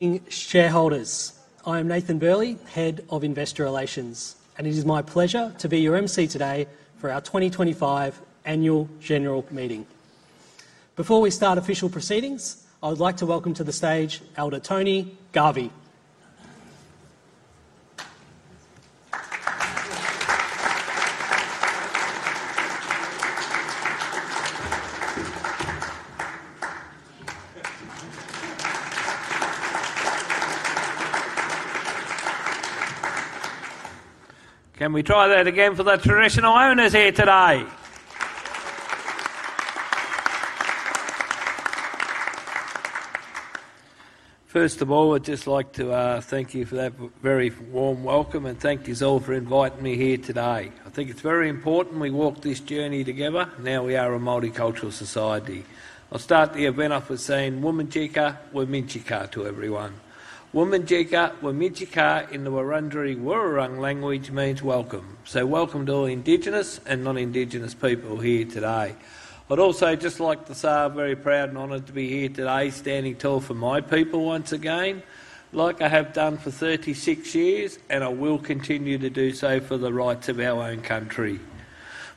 Good evening, shareholders. I am Nathan Burley, Head of Investor Relations, and it is my pleasure to be your MC today for our 2025 Annual General Meeting. Before we start official proceedings, I would like to welcome to the stage Elder Tony Garvey. Can we try that again for the traditional owners here today? First of all, I'd just like to thank you for that very warm welcome and thank yous all for inviting me here today. I think it's very important we walk this journey together now. We are a multicultural society. I'll start the event off with saying wumanjeka wurminchika to everyone. Wominjeka Wiminchika in the Wurundjeri Wurrung language means welcome. Welcome to all Indigenous and non-Indigenous people here today. I'd also just like to say I'm very proud and honored to be here today, standing tall for my people once again, like I have done for 36 years. I will continue to do so for the rights of our own country.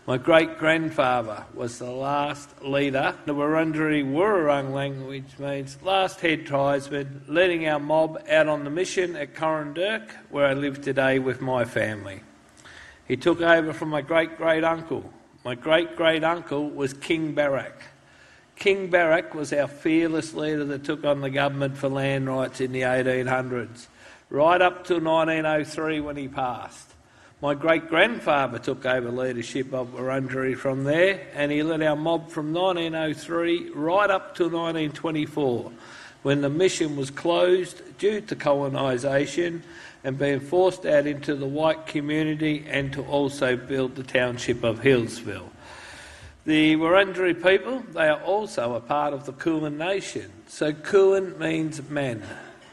My great grandfather was the last leader. The Wurundjeri Wurrung language means last head tribesman. Leading our mob out on the mission at Corandurk, where I live today with my family. He took over from my great great uncle. My great great uncle was King Barak. King Barak was our fearless leader that took on the government for land rights in the 1800s, right up till 1903 when he passed. My great grandfather took over leadership of Wurundjeri from there, and he led our mob from 1903 right up to 1924, when the mission was closed due to colonization and being forced out into the white community and to also build the township of Healesville. The Wurundjeri people, they are also a part of the Kulin nation. Kuwin means man.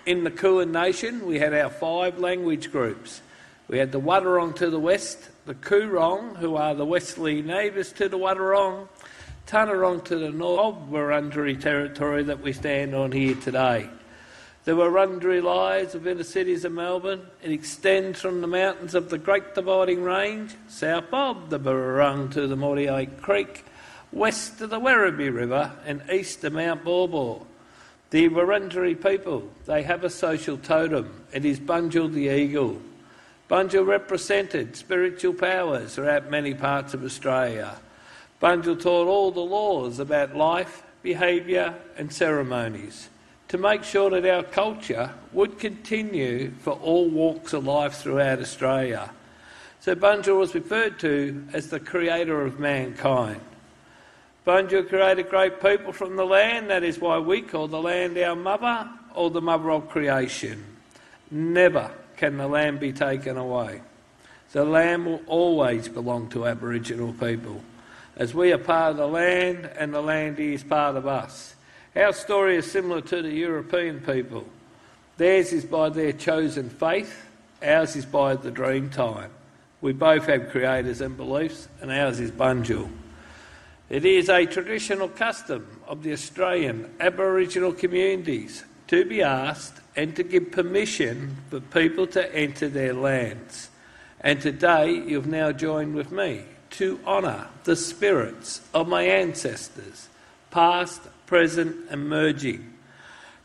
In the Kulin nation, we had our five language groups. We had the Wadwurrung to the west, the Coorong, who are the westerly neighbors to the Wadurong Taunterong to the north. Wurundjeri territory that we stand on here today. The Wurundjeri lives within the cities of Melbourne. It extends from the mountains of the Great Dividing Range south of the Wurrung to the Moriyake Creek, west to the Werribee River and east of Mount Bawbaw. The Wurundjeri people, they have a social totem. It is Bunjil, the eagle. Bunjil represented spiritual powers throughout many parts of Australia. Bunjil taught all the laws about life, behavior, and ceremonies to make sure that our culture would continue for all walks of life throughout Australia. Bunjil was referred to as the creator of mankind. Bunjil created great people from the land. That is why we call the land our mother or the mother of creation. Never can the land be taken away. The land will always belong to Aboriginal people as we are part of the land and the land is part of us. Our story is similar to the European people. Theirs is by their chosen faith. Ours is by the Dreamtime. We both have creators and beliefs, and ours is Bunjil. It is a traditional custom of the Australian Aboriginal communities to be asked and to give permission for people to enter their lands. Today you have now joined with me to honor the spirits of my ancestors, past, present, and merging,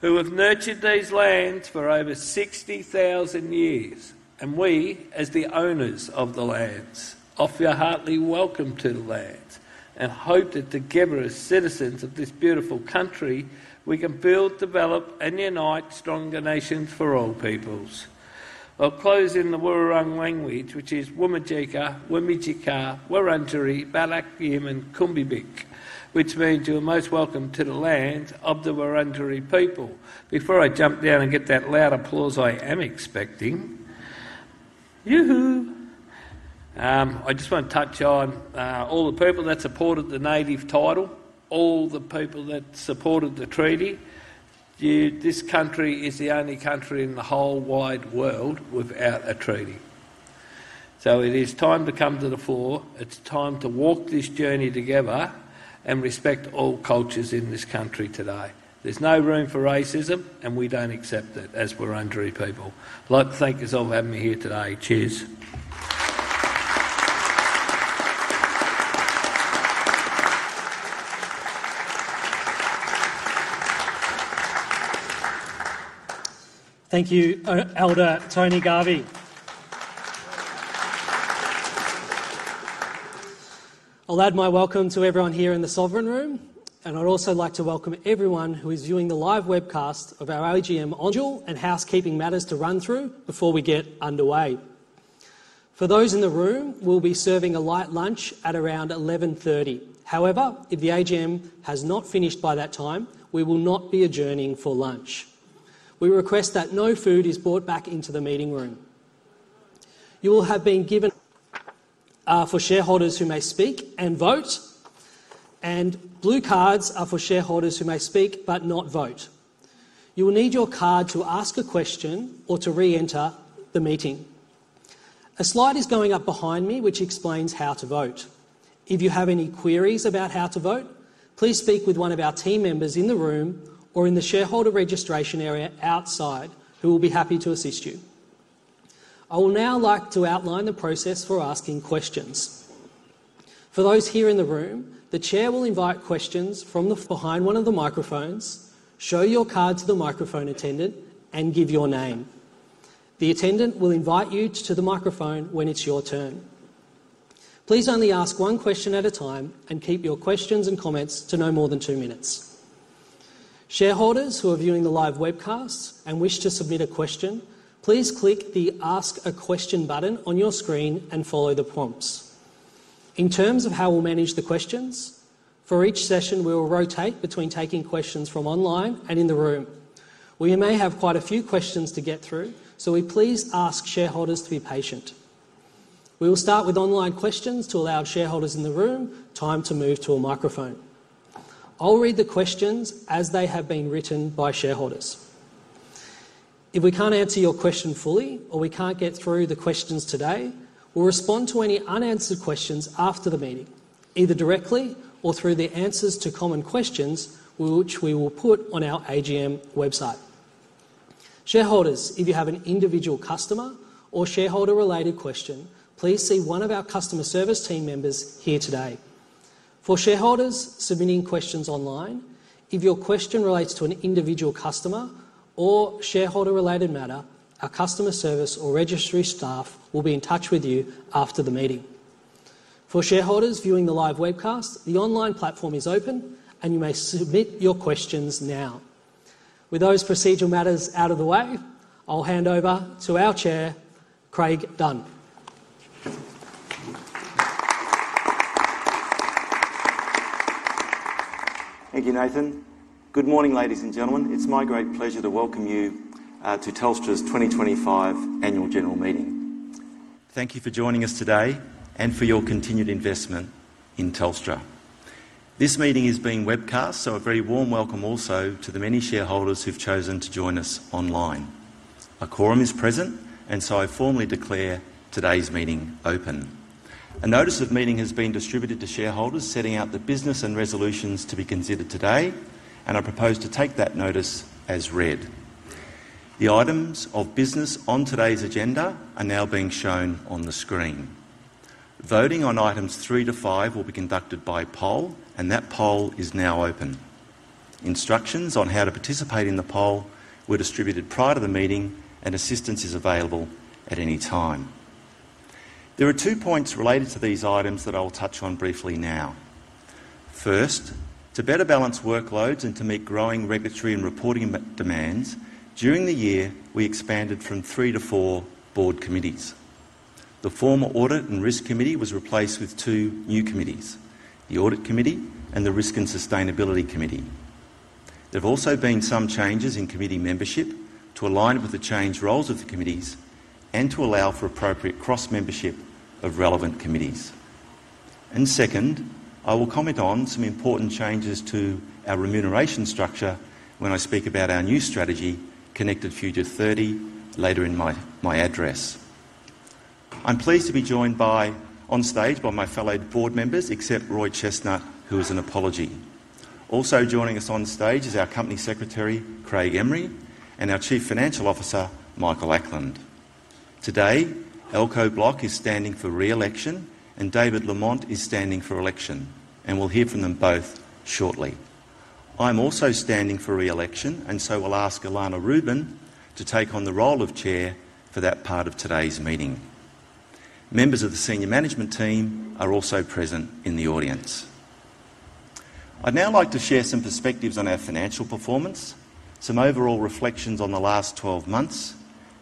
who have nurtured these lands for over 60,000 years. We, as the owners of the lands, offer your hearty welcome to the lands and hope that together, as citizens of this beautiful country, we can build, develop, and unite stronger nations for all peoples. I'll close in the Wurrung language, which is Woomajeka, Wimijika, Wurundjeri, Balakim, and Kumbibik, which means you are most welcome to the lands of the Wurundjeri people. Before I jump down and get that loud applause I am expecting, yoo hoo, I just want to touch on all the people that supported the native title, all the people that supported the treaty. This country is the only country in the whole wide world without a treaty. It is time to come to the fore. It's time to walk this journey together and respect all cultures in this country. Today there's no room for racism and we don't accept it. As Wurundjeri people, I'd like to thank you all for having me here today. Cheers. Thank you, Elder Tony Garvey. I'll add my welcome to everyone here in the Sovereign Room. I'd also like to welcome everyone who is viewing the live webcast of our AGM. A few housekeeping matters to run through before we get underway. For those in the room, we'll be serving a light lunch at around 11:30 A.M. However, if the AGM has not finished by that time, we will not be adjourning for lunch. We request that no food is brought back into the meeting room. You will have been given cards for shareholders who may speak and vote, and blue cards are for shareholders who may speak but not vote. You will need your card to ask a question or to re-enter the meeting. A slide is going up behind me, which explains how to vote. If you have any queries about how to vote, please speak with one of our team members in the room or in the shareholder registration area outside, who will be happy to assist you. I would now like to outline the process for asking questions for those here in the room. The Chair will invite questions from behind one of the microphones. Show your card to the microphone attendant and give your name. The attendant will invite you to the microphone when it's your turn. Please only ask one question at a time and keep your questions and comments to no more than two minutes. Shareholders who are viewing the live webcast and wish to submit a question, please click the Ask A Question button on your screen and follow the prompts. In terms of how we'll manage the questions for each session, we will rotate between taking questions from online and in the room. We may have quite a few questions to get through, so we ask shareholders to be patient. We will start with online questions to allow shareholders in the room time to move to a microphone. I'll read the questions as they have been written by shareholders. If we can't answer your question fully or we can't get through the questions today, we'll respond to any unanswered questions after the meeting, either directly or through the answers to common questions which we will put on our AGM website. Shareholders, if you have an individual customer or shareholder-related question, please see one of our customer service team members here today. For shareholders submitting questions online, if your question relates to an individual customer or shareholder-related matter, our customer service or registry staff will be in touch with you after the meeting. For shareholders viewing the live webcast, the online platform is open and you may submit your questions now. With those procedural matters out of the way, I hand over to our Chair, Craig Dunn. Thank you, Nathan. Good morning, ladies and gentlemen. It's my great pleasure to welcome you to Telstra's 2025 Annual General Meeting. Thank you for joining us today and for your continued investment in Telstra. This meeting is being webcast, so a very warm welcome also to the many shareholders who've chosen to join us online. A quorum is present and I formally declare today's meeting open. A notice of meeting has been distributed to shareholders setting out the business and resolutions to be considered today and I propose to take that notice as read. The items of business on today's agenda are now being shown on the screen. Voting on items three to five will be conducted by poll and that poll is now open. Instructions on how to participate in the poll were distributed prior to the meeting and assistance is available at any time. There are two points related to these items that I will touch on briefly now. First, to better balance workloads and to meet growing regulatory and reporting demands, during the year we expanded from three to four board committees. The former Audit and Risk Committee was replaced with two new committees, the Audit Committee and the Risk and Sustainability Committee. There have also been some changes in committee membership to align with the changed roles of the committees and to allow for appropriate cross membership of relevant committees. Second, I will comment on some important changes to our remuneration structure when I speak about our new strategy, Connected Future 30, later in my address. I'm pleased to be joined on stage by my fellow board members except Roy Chestnutt, who is an apology. Also joining us on stage is our Company Secretary Craig Emery and our Chief Financial Officer Michael Ackland. Today, Elko Blok is standing for re-election and David Lamont is standing for election and we'll hear from them both shortly. I'm also standing for re-election and will ask Elana Rubin to take on the role of Chair for that part of today's meeting. Members of the senior management team are also present in the audience. I'd now like to share some perspectives on our financial performance, some overall reflections on the last 12 months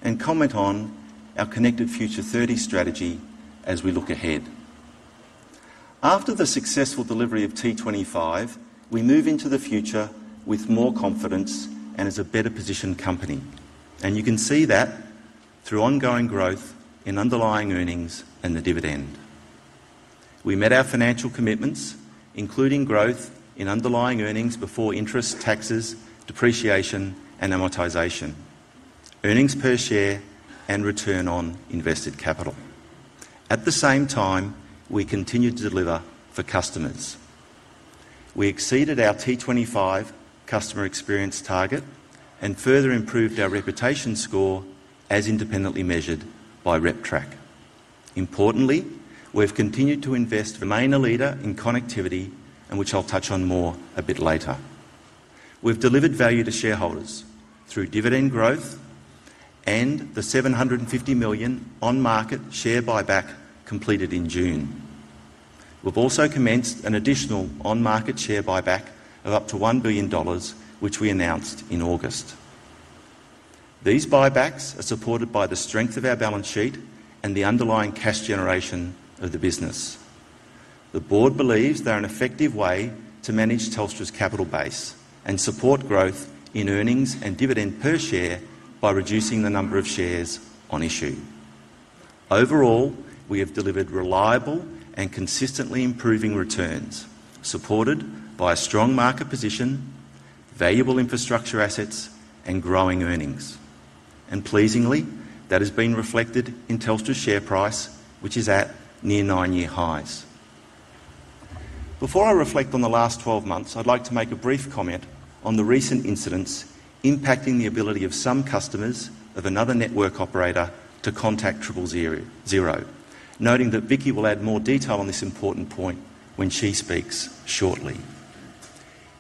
and comment on our Connected Future 30 strategy as we look ahead. After the successful delivery of T25, we move into the future with more confidence and as a better positioned company and you can see that through ongoing growth in underlying earnings and the dividend. We met our financial commitments including growth in underlying earnings before interest, taxes, depreciation and amortization, earnings per share and return on invested capital. At the same time, we continue to deliver for customers. We exceeded our T25 customer experience target and further improved our reputation score as independently measured by RepTrak. Importantly, we have continued to invest, remain a leader in connectivity, which I'll touch on more a bit later. We've delivered value to shareholders through dividend growth and the $750 million on-market share buyback completed in June. We've also commenced an additional on-market share buyback of up to $1 billion, which we announced in August. These buybacks are supported by the strength of our balance sheet and the underlying cash generation of the business. The Board believes they are an effective way to manage Telstra's capital base and support growth in earnings and dividend per share by reducing the number of shares on issue. Overall, we have delivered reliable and consistently improving returns supported by a strong market position, valuable infrastructure assets and growing earnings. Pleasingly, that has been reflected in Telstra's share price, which is at near nine-year highs. Before I reflect on the last 12 months, I'd like to make a brief comment on the recent incidents impacting the ability of some customers of another network operator to contact 000, noting that Vicki will add more detail on this important point when she speaks shortly.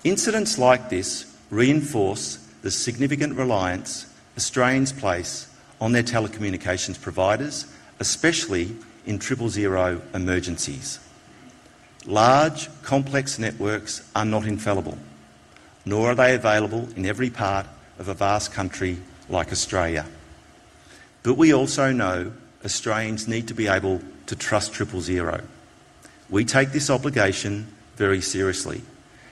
Incidents like this reinforce the significant reliance Australians place on their telecommunications providers, especially in 000 emergencies. Large, complex networks are not infallible, nor are they available in every part of a vast country like Australia. We also know Australians need to be able to trust Triple Zero. We take this obligation very seriously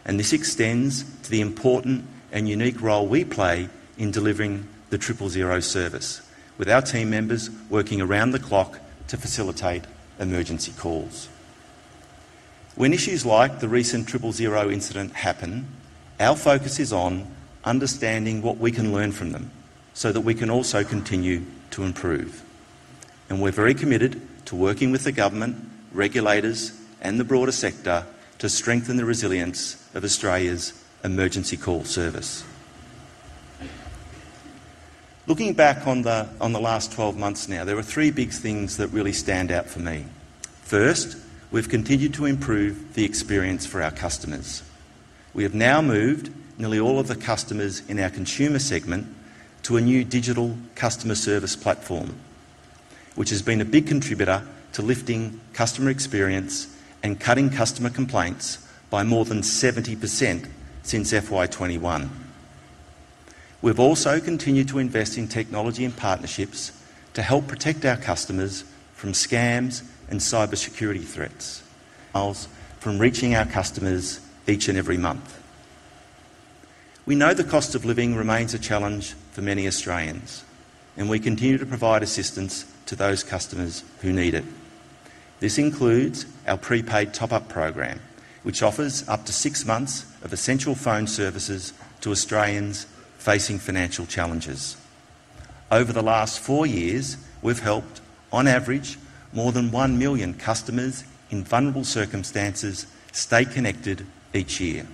and this extends to the important and unique role we play in delivering the Triple Zero service. With our team members, we're working around the clock to facilitate emergency calls when issues like the recent Triple Zero incident happen. Our focus is on understanding what we can learn from them so that we can also continue to improve. We're very committed to working with the government, regulators and the broader sector to strengthen the resilience of Australia's emergency call service. Looking back on the last 12 months now, there are three big things that really stand out for me. First, we've continued to improve the experience for our customers. We have now moved nearly all of the customers in our consumer segment to a new digital customer service platform, which has been a big contributor to lifting customer experience and cutting customer complaints by more than 70% since FY2021. We've also continued to invest in technology and partnerships to help protect our customers from scams and cybersecurity threats from reaching our customers each and every month. We know the cost of living remains a challenge for many Australians, and we continue to provide assistance to those customers who need it. This includes our prepaid Top Up program, which offers up to six months of essential phone services to Australians facing financial challenges. Over the last four years, we've helped, on average, more than 1 million customers in vulnerable circumstances stay connected each year.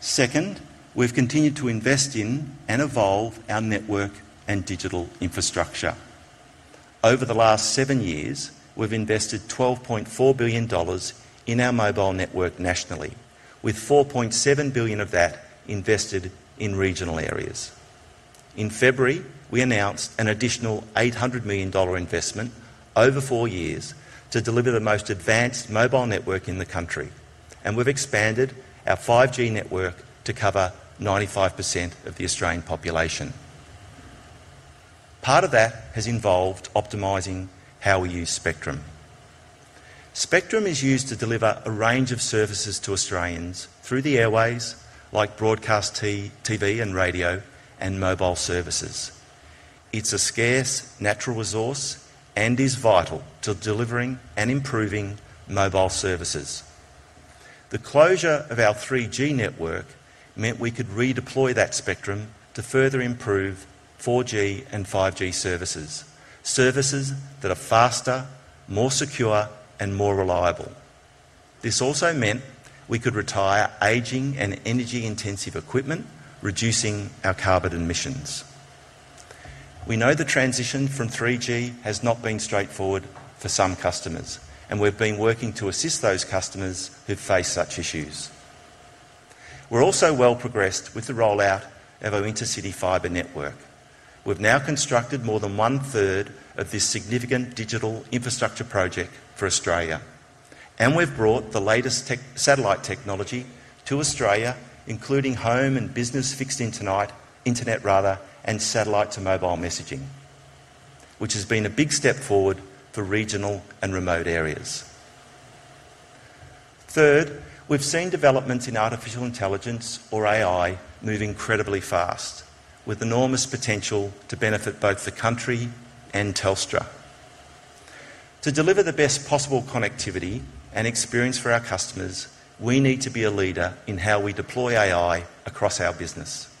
Second, we've continued to invest in and evolve our network and digital infrastructure. Over the last seven years, we've invested $12.4 billion in our mobile network nationally, with $4.7 billion of that invested in regional areas. In February, we announced an additional $800 million investment over four years to deliver the most advanced mobile network in the country. We've expanded our 5G network to cover 95% of the Australian population. Part of that has involved optimizing how we use spectrum. Spectrum is used to deliver a range of services to Australians through the airways, like broadcast TV and radio and mobile services. It's a scarce natural resource and is vital to delivering and improving mobile services. The closure of our 3G network meant we could redeploy that spectrum to further improve 4G and 5G services, services that are faster, more secure, and more reliable. This also meant we could retire aging and energy-intensive equipment, reducing our carbon emissions. We know the transition from 3G has not been straightforward for some customers, and we've been working to assist those customers who face such issues. We're also well progressed with the rollout of our intercity fiber network. We've now constructed more than one third of this significant digital infrastructure project for Australia. We've brought the latest satellite technology to Australia, including home and business fixed internet and satellite to mobile messaging, which has been a big step forward for regional and remote areas. Third, we've seen developments in artificial intelligence or AI move incredibly fast with enormous potential to benefit both the country and Telstra. To deliver the best possible connectivity and experience for our customers, we need to be a leader in how we deploy AI across our business.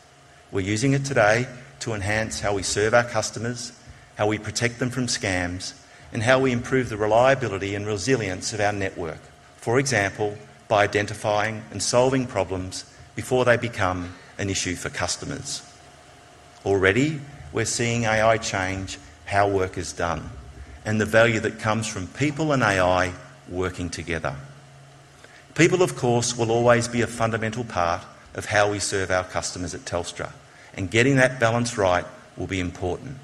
We're using it today to enhance how we serve our customers, how we protect them from scams, and how we improve the reliability and resilience of our network, for example, by identifying and solving problems before they become an issue for customers. Already we're seeing AI change how work is done and the value that comes from people and AI working together. People, of course, will always be a fundamental part of how we serve our customers at Telstra, and getting that balance right will be important.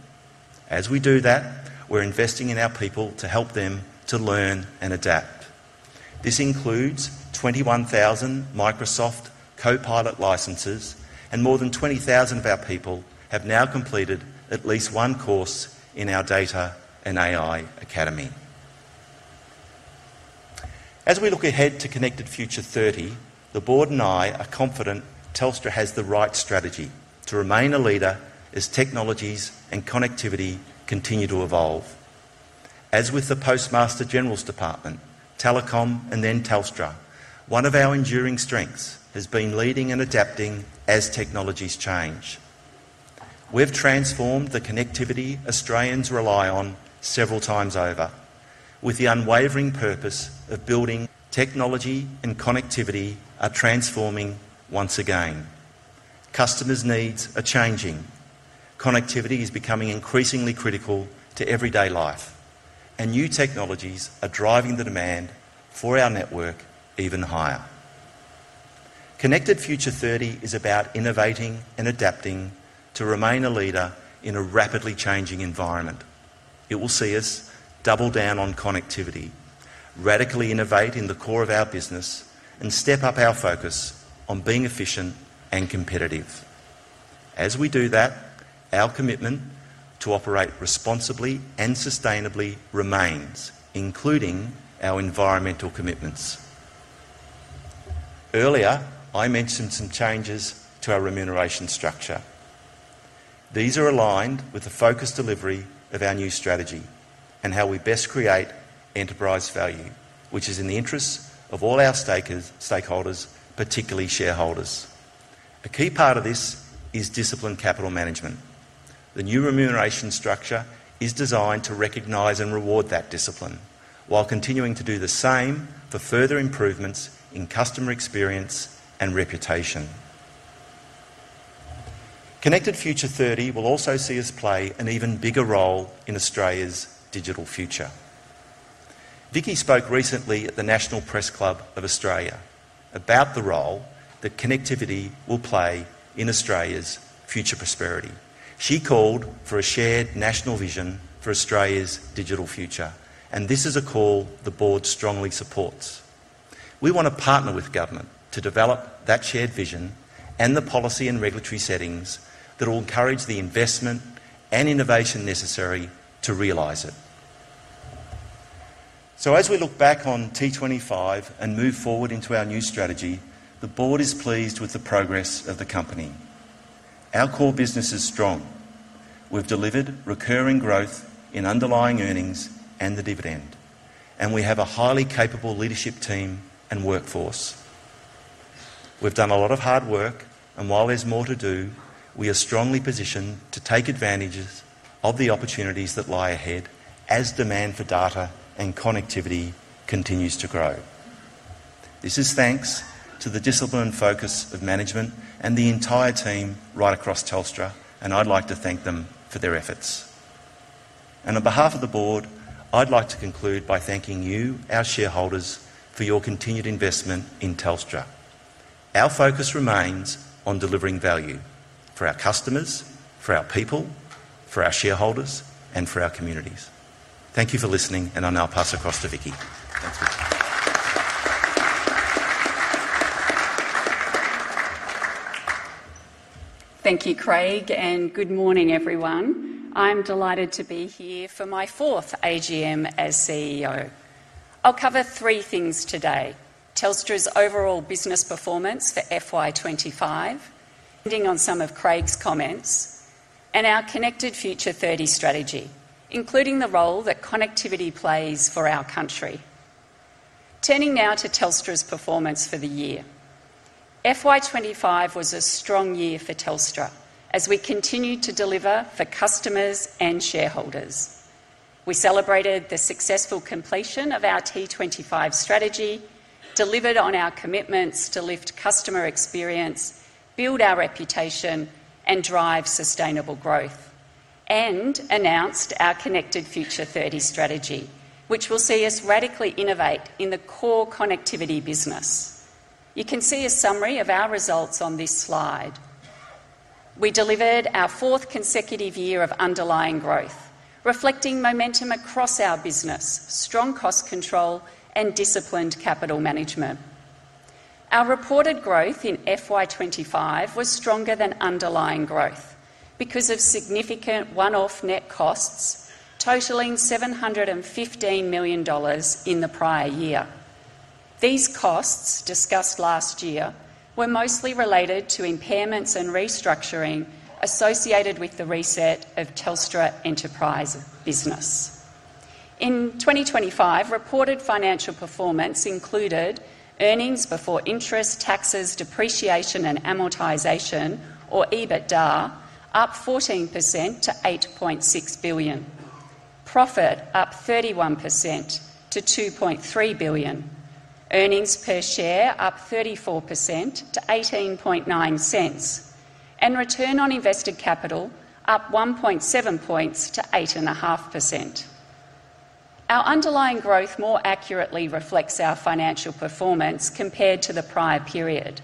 As we do that, we're investing in our people to help them to learn and adapt. This includes 21,000 Microsoft Copilot licenses and more than 20,000 of our people have now completed at least one course in our Data and AI Academy. As we look ahead to Connected Future 30, the board and I are confident Telstra has the right strategy to remain a leader as technologies and connectivity continue to evolve. As with the Postmaster General's Department, Telecom and then Telstra, one of our enduring strengths has been leading and adapting. As technologies change, we've transformed the connectivity Australians rely on several times over with the unwavering purpose of building technology and connectivity are transforming once again. Customers' needs are changing. Connectivity is becoming increasingly critical to everyday life and new technologies are driving the demand for our network even higher. Connected Future 30 is about innovating and adapting to remain a leader in a rapidly changing environment. It will see us double down on connectivity, radically innovate in the core of our business and step up our focus on being efficient and competitive. As we do that, our commitment to operate responsibly and sustainably remains, including our environmental commitments. Earlier, I mentioned some changes to our remuneration structure. These are aligned with the focused delivery of our new strategy and how we best create enterprise value which is in the interests of all our stakeholders, particularly shareholders. A key part of this is disciplined capital management. The new remuneration structure is designed to recognize and reward that discipline, while continuing to do the same for further improvements in customer experience and reputation. Connected Future 30 will also see us play an even bigger role in Australia's digital future. Vicki spoke recently at the National Press Club of Australia about the role that connectivity will play in Australia's future prosperity. She called for a shared national vision for Australia's digital future. This is a call the Board strongly supports. We want to partner with government to develop that shared vision and the policy and regulatory settings that will encourage the investment and innovation necessary to realize it. As we look back on T25 and move forward into our new strategy, the Board is pleased with the progress of the company. Our core business is strong, we've delivered recurring growth in underlying earnings and the dividend, and we have a highly capable leadership team and workforce. We've done a lot of hard work and while there's more to do, we are strongly positioned to take advantage of the opportunities that lie ahead as demand for data and connectivity continues to grow. This is thanks to the disciplined focus of management and the entire team right across Telstra, and I'd like to thank them for their efforts. On behalf of the Board, I'd like to conclude by thanking you, our shareholders, for your continued investment in Telstra. Our focus remains on delivering value for our customers, for our people, for our shareholders, and for our communities. Thank you for listening and I'll now pass across to Vicki. Thank you, Craig, and good morning, everyone. I'm delighted to be here for my fourth AGM as CEO. I'll cover three things today: Telstra's overall business performance for FY2025, expanding on some of Craig's comments and our Connected Future 30 strategy, including the role that connectivity plays for our country. Turning now to Telstra's performance, for the year, FY2025 was a strong year for Telstra as we continued to deliver for customers and shareholders. We celebrated the successful completion of our T25 strategy, developed and delivered on our commitments to lift customer experience, build our reputation, and drive sustainable growth, and announced our Connected Future 30 strategy, which will see us radically innovate in the core connectivity business. You can see a summary of our results on this slide. We delivered our fourth consecutive year of underlying growth, reflecting momentum across our business, strong cost control, and disciplined capital management. Our reported growth in FY2025 was stronger than underlying growth because of significant one-off net costs totaling $715 million in the prior year. These costs, discussed last year, were mostly related to impairments and restructuring associated with the reset of Telstra enterprise business in 2025. Reported financial performance included earnings before interest, taxes, depreciation, and amortization, or EBITDA, up 14% to $8.6 billion, profit up 31% to $2.3 billion, earnings per share up 34% to $0.189, and return on invested capital up 1.7 points to 8.5%. Our underlying growth more accurately reflects our financial performance compared to the prior period,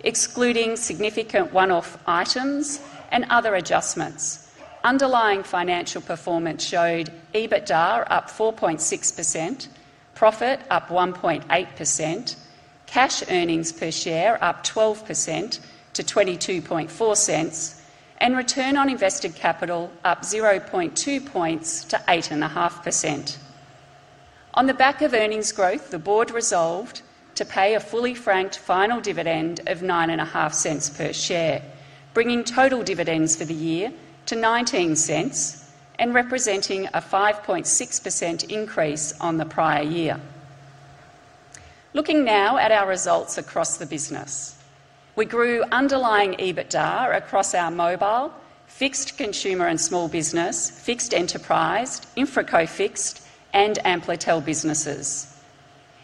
excluding significant one-off items and other adjustments. Underlying financial performance showed EBITDA up 4.6%, profit up 1.8%, cash earnings per share up 12% to $0.224, and return on invested capital up 0.2 points to 8.5%. On the back of earnings growth, the Board resolved to pay a fully franked final dividend of $0.095 per share, bringing total dividends for the year to $0.19 and representing a 5.6% increase on the prior year. Looking now at our results across the business, we grew underlying EBITDA across our mobile, fixed consumer and small business, Fixed Enterprise, Infraco Fixed, and Amplitel businesses.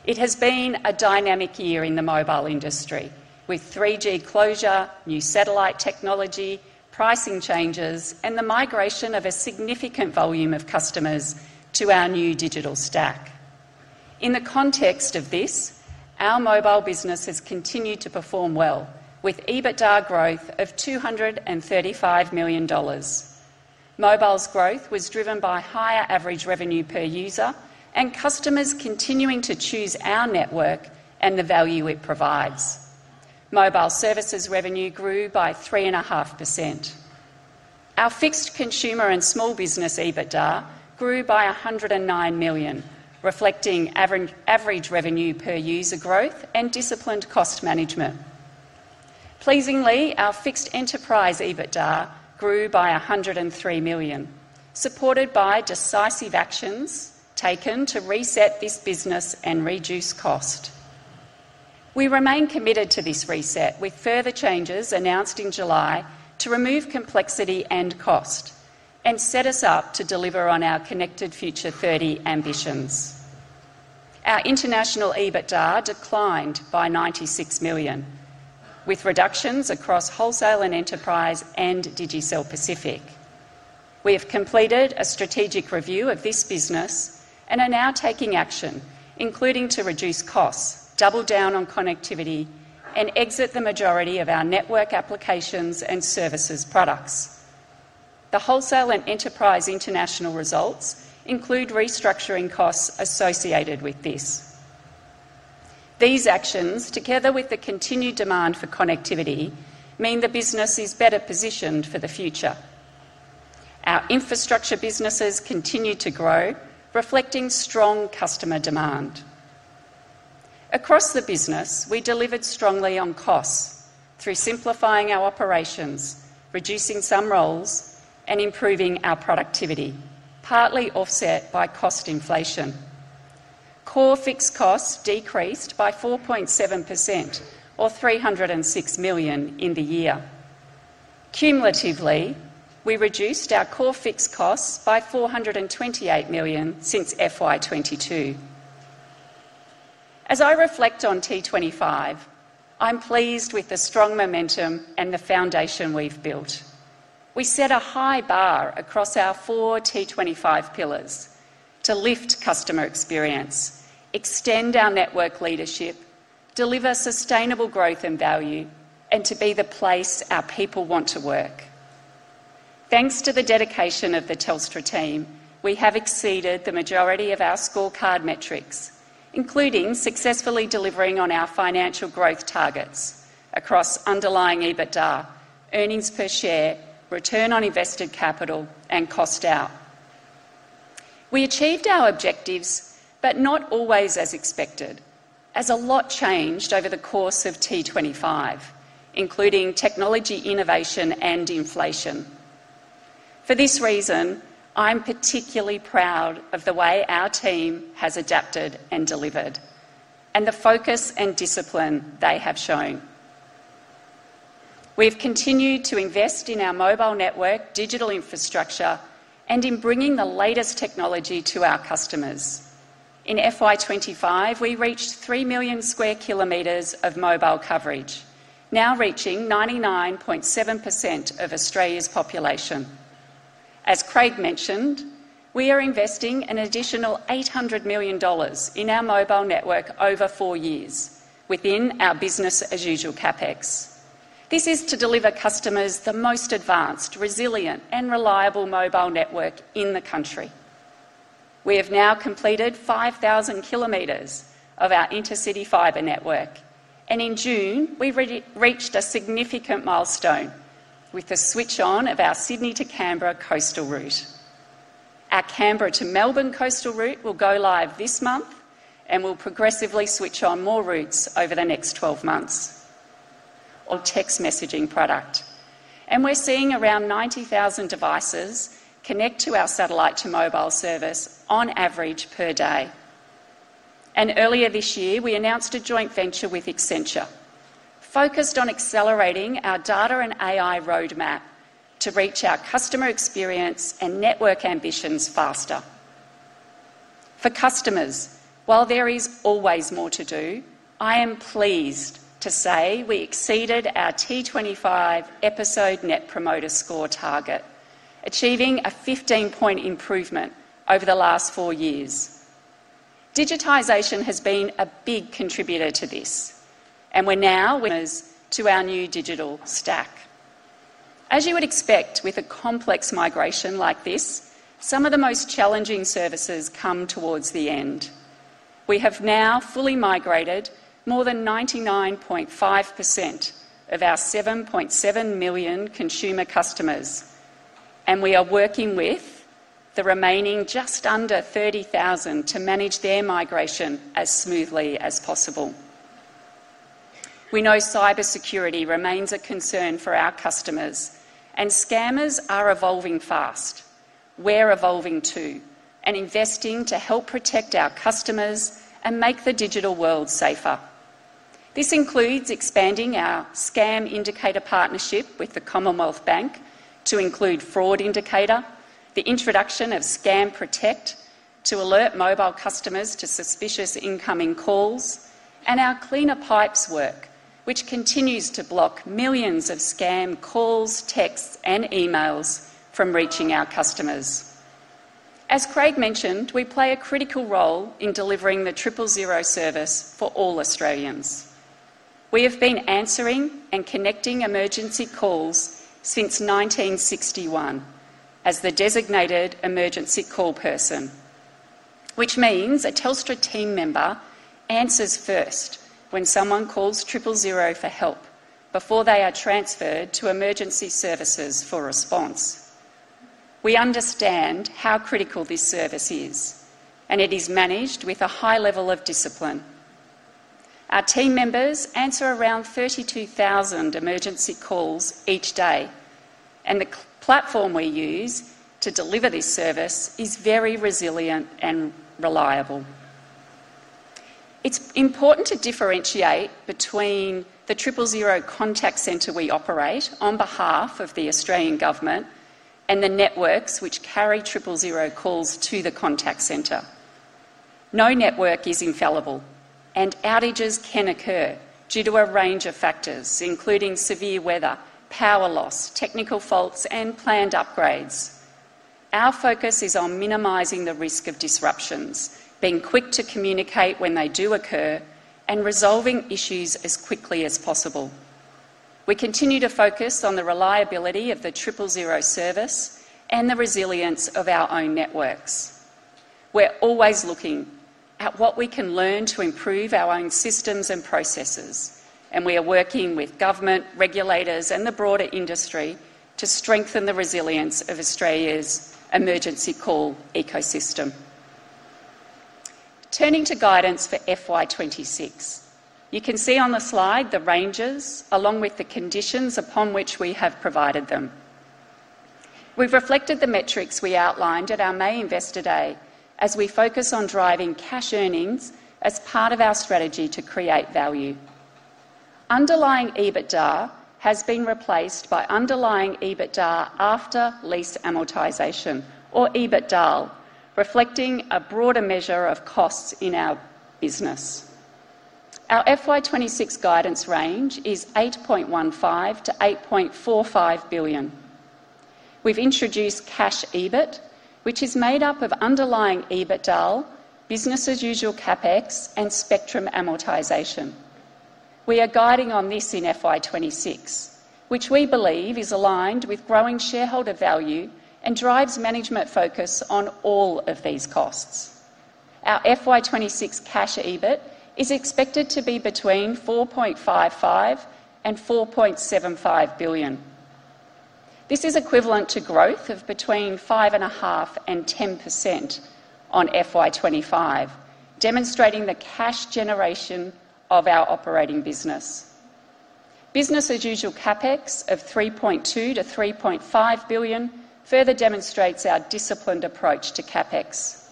It has been a dynamic year in the mobile industry with 3G closure, new satellite technology, pricing changes, and the migration of a significant volume of customers to our new digital stack. In the context of this, our mobile business has continued to perform well with EBITDA growth of $235 million. Mobile's growth was driven by higher average revenue per user and customers continuing to choose our network and the value it provides. Mobile services revenue grew by 3.5%. Our fixed consumer and small business EBITDA grew by $109 million, reflecting average revenue per user growth and disciplined cost management. Pleasingly, our fixed enterprise EBITDA grew by $103 million, supported by decisive actions taken to reset this business and reduce cost. We remain committed to this reset with further changes announced in July to remove complexity and cost and set us up to deliver on our Connected Future 30 ambitions. Our international EBITDA declined by $96 million with reductions across Wholesale and Enterprise and Digicel Pacific. We have completed a strategic review of this business and are now taking action, including to reduce costs, double down on connectivity, and exit the majority of our network applications and services products, the Wholesale and Enterprise International. Results include restructuring costs associated with this. These actions, together with the continued demand for connectivity, mean the business is better positioned for the future. Our infrastructure businesses continue to grow, reflecting strong customer demand across the business. We delivered strongly on costs through simplifying our operations, reducing some roles, and improving our productivity. Partly offset by cost inflation, core fixed costs decreased by 4.7% or $360 million in the year. Cumulatively, we reduced our core fixed costs by $428 million since FY22. As I reflect on T25, I'm pleased with the strong momentum and the foundation we've built. We set a high bar across our four T25 pillars to lift customer experience, extend our network leadership, deliver sustainable growth and value, and to be the place our people want to work. Thanks to the dedication of the Telstra team, we have exceeded the majority of our scorecard metrics, including successfully delivering on our financial growth targets across underlying EBITDA, earnings per share, return on invested capital, and cost out. We achieved our objectives but not always as expected as a lot changed over the course of 2025, including technology, innovation, and inflation. For this reason, I'm particularly proud of the way our team has adapted and delivered and the focus and discipline they have shown. We have continued to invest in our mobile network, digital infrastructure, and in bringing the latest technology to our customers. In FY25 we reached 3 million square kilometers of mobile coverage, now reaching 99.7% of Australia's population. As Craig mentioned, we are investing an additional $800 million in our mobile network over four years within our business as usual CapEx. This is to deliver customers the most advanced, resilient, and reliable mobile network in the country. We have now completed 5,000 kilometers of our intercity fiber network, and in June we reached a significant milestone with the switch on of our Sydney to Canberra coastal route. Our Canberra to Melbourne coastal route will go live this month and we'll progressively switch on more routes over the next 12 months. Our text messaging product is seeing around 90,000 devices connect to our satellite to mobile service on average per day. Earlier this year we announced a joint venture with Accenture focused on accelerating our data and AI roadmap to reach our customer experience and network ambitions faster for customers. While there is always more to do, I am pleased to say we exceeded our T25 strategy net promoter score target, achieving a 15 point improvement over the last four years. Digitization has been a big contributor to this and we're now winners to our new digital stack. As you would expect, with a complex migration like this, some of the most challenging services come towards the end. We have now fully migrated more than 99.5% of our 7.7 million consumer customers and we are working with the remaining just under 30,000 to manage their migration as smoothly as possible. We know cyber security remains a concern for our customers and scammers are evolving fast. We're evolving too and investing to help protect our customers and make the digital world safer. This includes expanding our Scam Indicator partnership with the Commonwealth Bank to include Fraud Indicator, the introduction of Scam Protect to alert mobile customers to suspicious incoming calls, and our Cleaner Pipes, which continues to block millions of scam calls, texts, and emails from reaching our customers. As Craig mentioned, we play a critical role in delivering the Triple Zero service for all Australians. We have been answering and connecting emergency calls since 1961 as the designated emergency call person, which means a Telstra team member answers first when someone calls 000 for help before they are transferred to emergency services for response. We understand how critical this service is, and it is managed with a high level of discipline. Our team members answer around 32,000 emergency calls each day, and the platform we use to deliver this service is very resilient and reliable. It's important to differentiate between the 000 contact center we operate on behalf of the Australian Government and the networks which carry 000 calls to the contact center. No network is infallible, and outages can occur due to a range of factors including severe weather loss, technical faults, and planned upgrades. Our focus is on minimizing the risk of disruptions, being quick to communicate when they do occur, and resolving issues as quickly as possible. We continue to focus on the reliability of the 000 service and the resilience of our own networks. We're always looking at what we can learn to improve our own systems and processes, and we are working with government regulators and the broader industry to strengthen the resilience of Australia's emergency call ecosystem. Turning to guidance for FY26, you can see on the slide the ranges along with the conditions upon which we have provided them. We've reflected the metrics we outlined at our May Investor Day as we focus on driving cash earnings. Part of our strategy to create value, underlying EBITDA has been replaced by underlying EBITDA after lease amortization or EBITDAAL, reflecting a broader measure of costs in our business. Our FY26 guidance range is $8.15 to $8.45 billion. We've introduced cash EBITDA, which is made up of underlying EBITDA, business as usual CapEx, and spectrum amortization. We are guiding on this in FY26, which we believe is aligned with growing shareholder value and drives management focus on all of these costs. Our FY26 cash EBIT is expected to be between $4.55 and $4.75 billion. This is equivalent to growth of between 5.5% and 10% on FY25, demonstrating the cash generation of our operating business. Business as usual CapEx of $3.2 to $3.5 billion further demonstrates our disciplined approach to CapEx.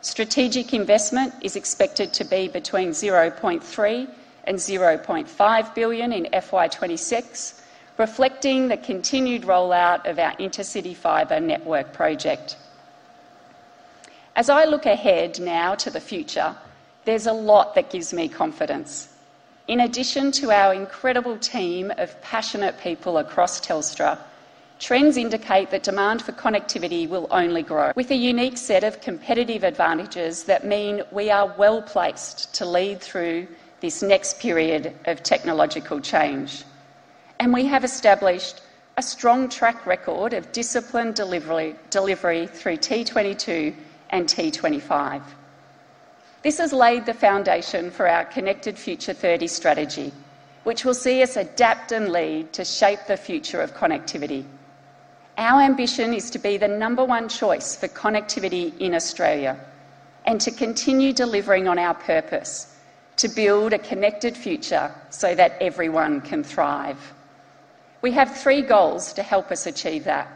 Strategic investment is expected to be between $0.3 and $0.5 billion in FY26, reflecting the continued rollout of our Intercity Fibre Network project. As I look ahead now to the future, there's a lot that gives me confidence. In addition to our incredible team of passionate people across Telstra, trends indicate that demand for connectivity will only grow with a unique set of competitive advantages that mean we are well placed to lead through this next period of technological change, and we have established a strong track record of disciplined delivery through T22 and T25. This has laid the foundation for our Connected Future 30 strategy, which will see us adapt and lead to shape the future of connectivity. Our ambition is to be the number one choice for connectivity in Australia and to continue delivering on our purpose to build a connected future so that everyone can thrive. We have three goals to help us achieve that: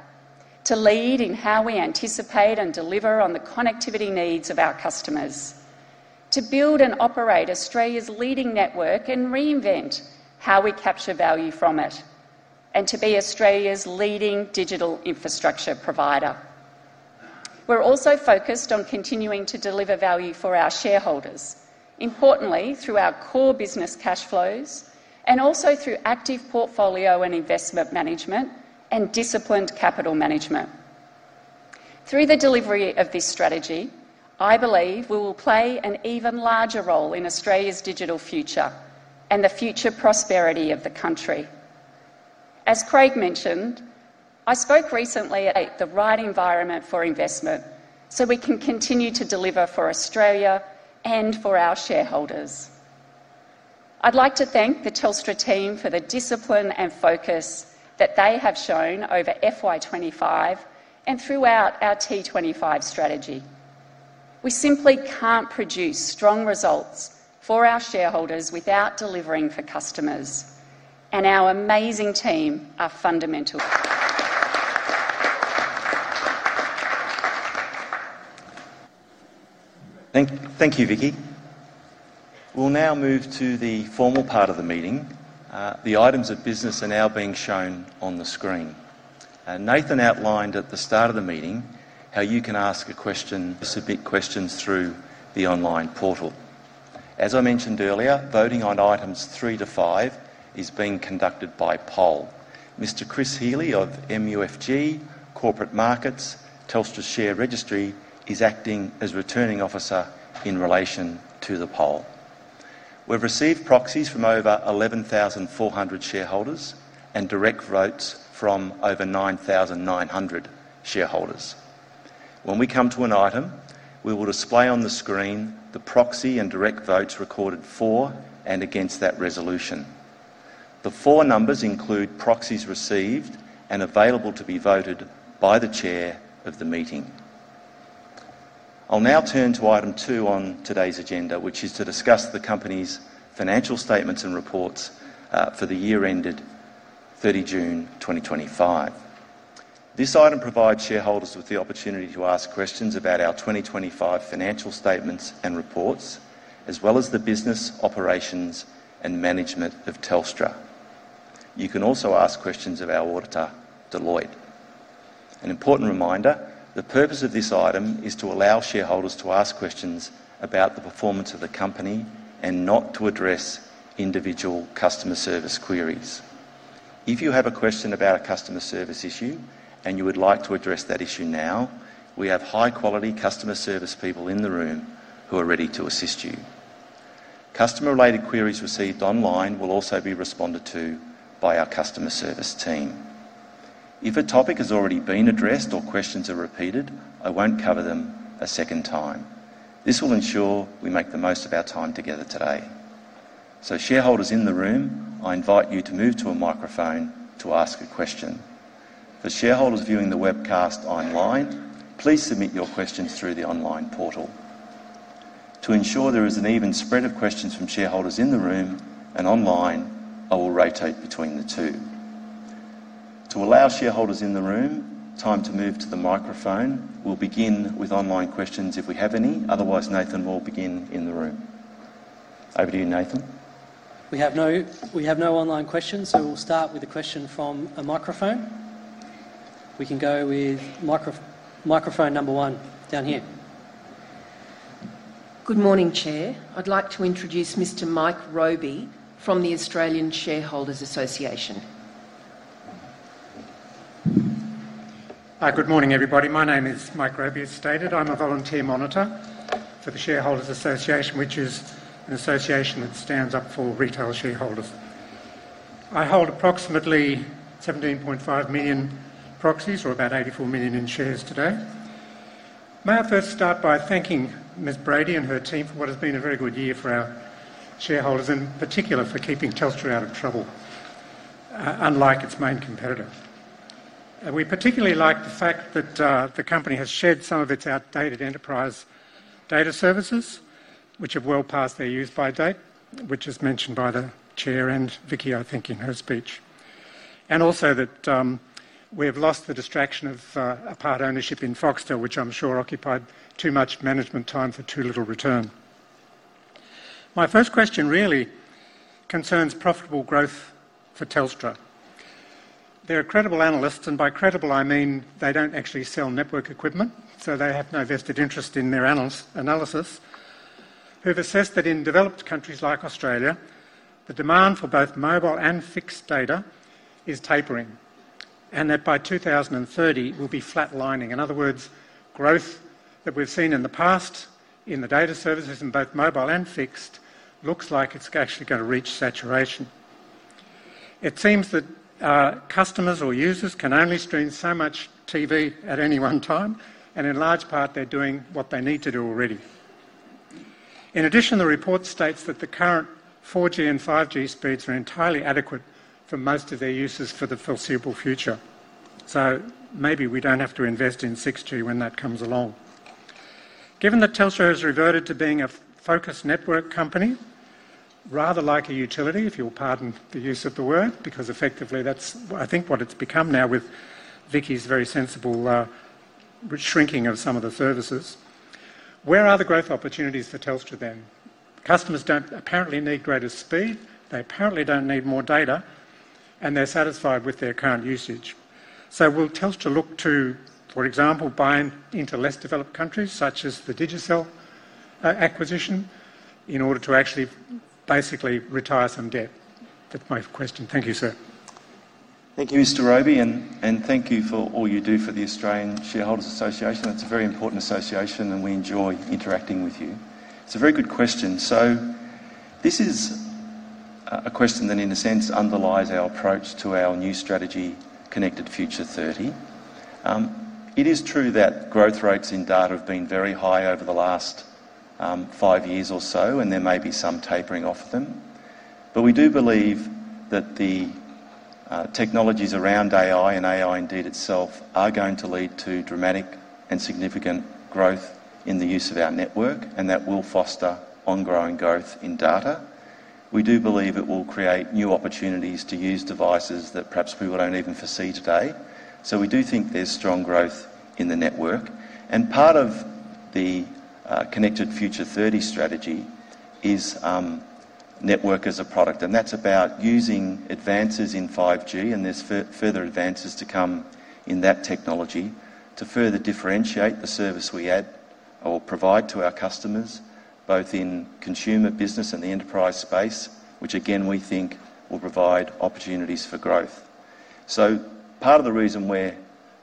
to lead in how we anticipate and deliver on the connectivity needs of our customers, to build and operate Australia's leading network and reinvent how we capture value from it, and to be Australia's leading digital infrastructure provider. We're also focused on continuing to deliver value for our shareholders, importantly through our core business cash flows and also through active portfolio and investment management and disciplined capital management. Through the delivery of this strategy, I believe we will play an even larger role in Australia's digital future and the future prosperity of the country. As Craig mentioned, I spoke recently at the right environment for investment so we can continue to deliver for Australia and for our shareholders. I'd like to thank the Telstra team for the discipline and focus that they have shown over FY25 and throughout our T25 strategy. We simply can't produce strong results for our shareholders without delivering for customers. Our amazing team are fundamental. Thank you, Vicki. We'll now move to the formal part of the meeting. The items of business are now being shown on the screen. Nathan outlined at the start of the meeting how you can ask a question, submit questions through the online portal. As I mentioned earlier, voting on items three to five is being conducted by poll. Mr. Chris Healy of MUFG Corporate Markets, Telstra's share registry, is acting as returning officer. In relation to the poll, we've received proxies from over 11,400 shareholders and direct votes from over 9,900 shareholders. When we come to an item, we will display on the screen the proxy and direct votes recorded for and against that resolution. The four numbers include proxies received and available to be voted by the Chair of the meeting. I'll now turn to item two on today's agenda, which is to discuss the company's financial statements and reports for the year ended 30 June 2025. This item provides shareholders with the opportunity to ask questions about our 2025 financial statements and reports, as well as the business, operations, and management of Telstra. You can also ask questions of our auditor, Deloitte. An important reminder, the purpose of this item is to allow shareholders to ask questions about the performance of the company and not to address individual customer service queries. If you have a question about a customer service issue and you would like to address that issue now, we have high-quality customer service people in the room who are ready to assist you. Customer-related queries received online will also be responded to by our customer service team. If a topic has already been addressed or questions are repeated, I won't cover them a second time. This will ensure we make the most of our time together today. Shareholders in the room, I invite you to move to a microphone to ask a question. For shareholders viewing the webcast online, please submit your questions through the online portal. To ensure there is an even spread of questions from shareholders in the room and online, I will rotate between the two to allow shareholders in the room time to move to the microphone. We'll begin with online questions if we have any. Otherwise, Nathan will begin in the room. Over to you, Nathan. We have no online questions, so we'll start with a question from a microphone. We can go with microphone number one down here. Good morning, Chair. I'd like to introduce Mr. Mike Roby from the Australian Shareholders Association. Hi. Good morning, everybody. My name is Mike Roby. As stated, I'm a volunteer monitor for the Shareholders Association, which is an association that stands up for retail shareholders. I hold approximately 17.5 million proxies, or about $84 million in shares today. May I first start by thanking Ms. Brady and her team for what has been a very good year for our shareholders, in particular for keeping Telstra out of trouble. Unlike its main competitor, we particularly like the fact that the company has shed some of its outdated enterprise data services, which have well passed their use by date, which is mentioned by the Chair and Vicki, I think, in her speech. Also, that we have lost the distraction of part ownership in Foxtel, which I'm sure occupied too much management time for too little return. My first question really concerns profitable growth for Telstra. There are credible analysts, and by credible I mean they don't actually sell network equipment, so they have no vested interest in their analysis, who have assessed that in developed countries like Australia, the demand for both mobile and fixed data is tapering, and that by 2030 we'll be flatlining. In other words, growth that we've seen in the past in the data services in both mobile and fixed looks like it's actually going to reach saturation. It seems that customers or users can only stream so much TV at any one time, and in large part they're doing what they need to do already. In addition, the report states that the current 4G and 5G speeds are entirely adequate for most of their uses for the foreseeable future. Maybe we don't have to invest in 6G when that comes along, given that Telstra has reverted to being a focused network company, rather like a utility, if you'll pardon the use of the word, because effectively that's, I think, what it's become. Now, with Vicki's very sensible shrinking of some of the services, where are the growth opportunities for Telstra, then? Customers don't apparently need greater speed, they apparently don't need more data and they're satisfied with their current usage. Will Telstra look to, for example, buying into less developed countries, such as the Digicel acquisition, in order to actually basically retire some debt? That's my question. Thank you, sir. Thank you, Mr. Roby, and thank you for all you do for the Australian Shareholders Association. It's a very important association, and we enjoy interacting with you. You. It's a very good question. This is a question that, in a sense, underlies our approach to our new strategy, Connected Future 30. It is true that growth rates in data have been very high over the last five years or so, and there may be some tapering off of them, but we do believe that the technologies around AI, and AI indeed itself, are going to lead to dramatic and significant growth in the use of our network, and that will foster ongoing growth in data. We do believe it will create new opportunities to use devices that perhaps we don't even foresee today. We do think there's strong growth in the network, and part of the Connected Future 30 strategy is network as a product, and that's about using advances in 5G. There are further advances to come in that technology to further differentiate the service we add or provide to our customers, both in consumer business and the enterprise space, which, again, we think will provide opportunities for growth. Part of the reason we're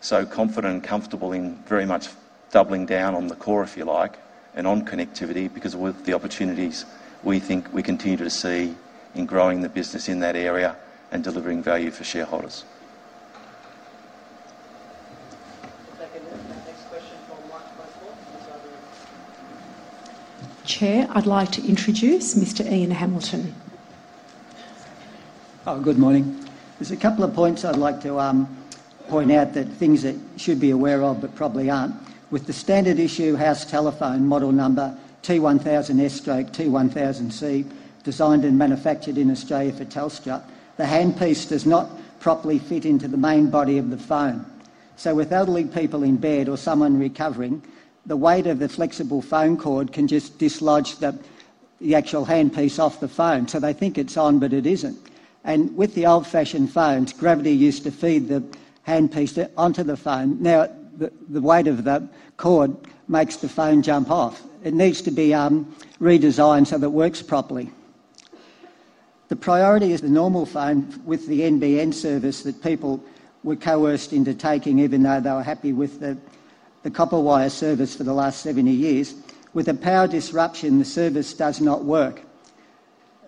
so confident and comfortable in very much doubling down on the core, if you like, and on connectivity is because of the opportunities we think we continue to see in growing the business in that area and delivering value for shareholders. Chair, I'd like to introduce Mr. Ian Hamilton. Good morning. There are a couple of points I'd like to point out, things that you should be aware of but probably aren't. With the standard issue house telephone, model number T1000S, T1000C, designed and manufactured in Australia for Telstra, the handpiece does not properly fit into the main body of the phone. With elderly people in bed or someone recovering, the weight of the flexible phone cord can just dislodge the actual handpiece off the phone. They think it's on, but it isn't. With the old-fashioned phones, gravity used to feed the handpiece onto the phone. Now the weight of the cord makes the phone jump off. It needs to be redesigned so that it works properly. The priority is the normal phone. With the NBN service that people were coerced into taking, even though they were happy with the copper wire service for the last 70 years, with a power disruption, the service does not work.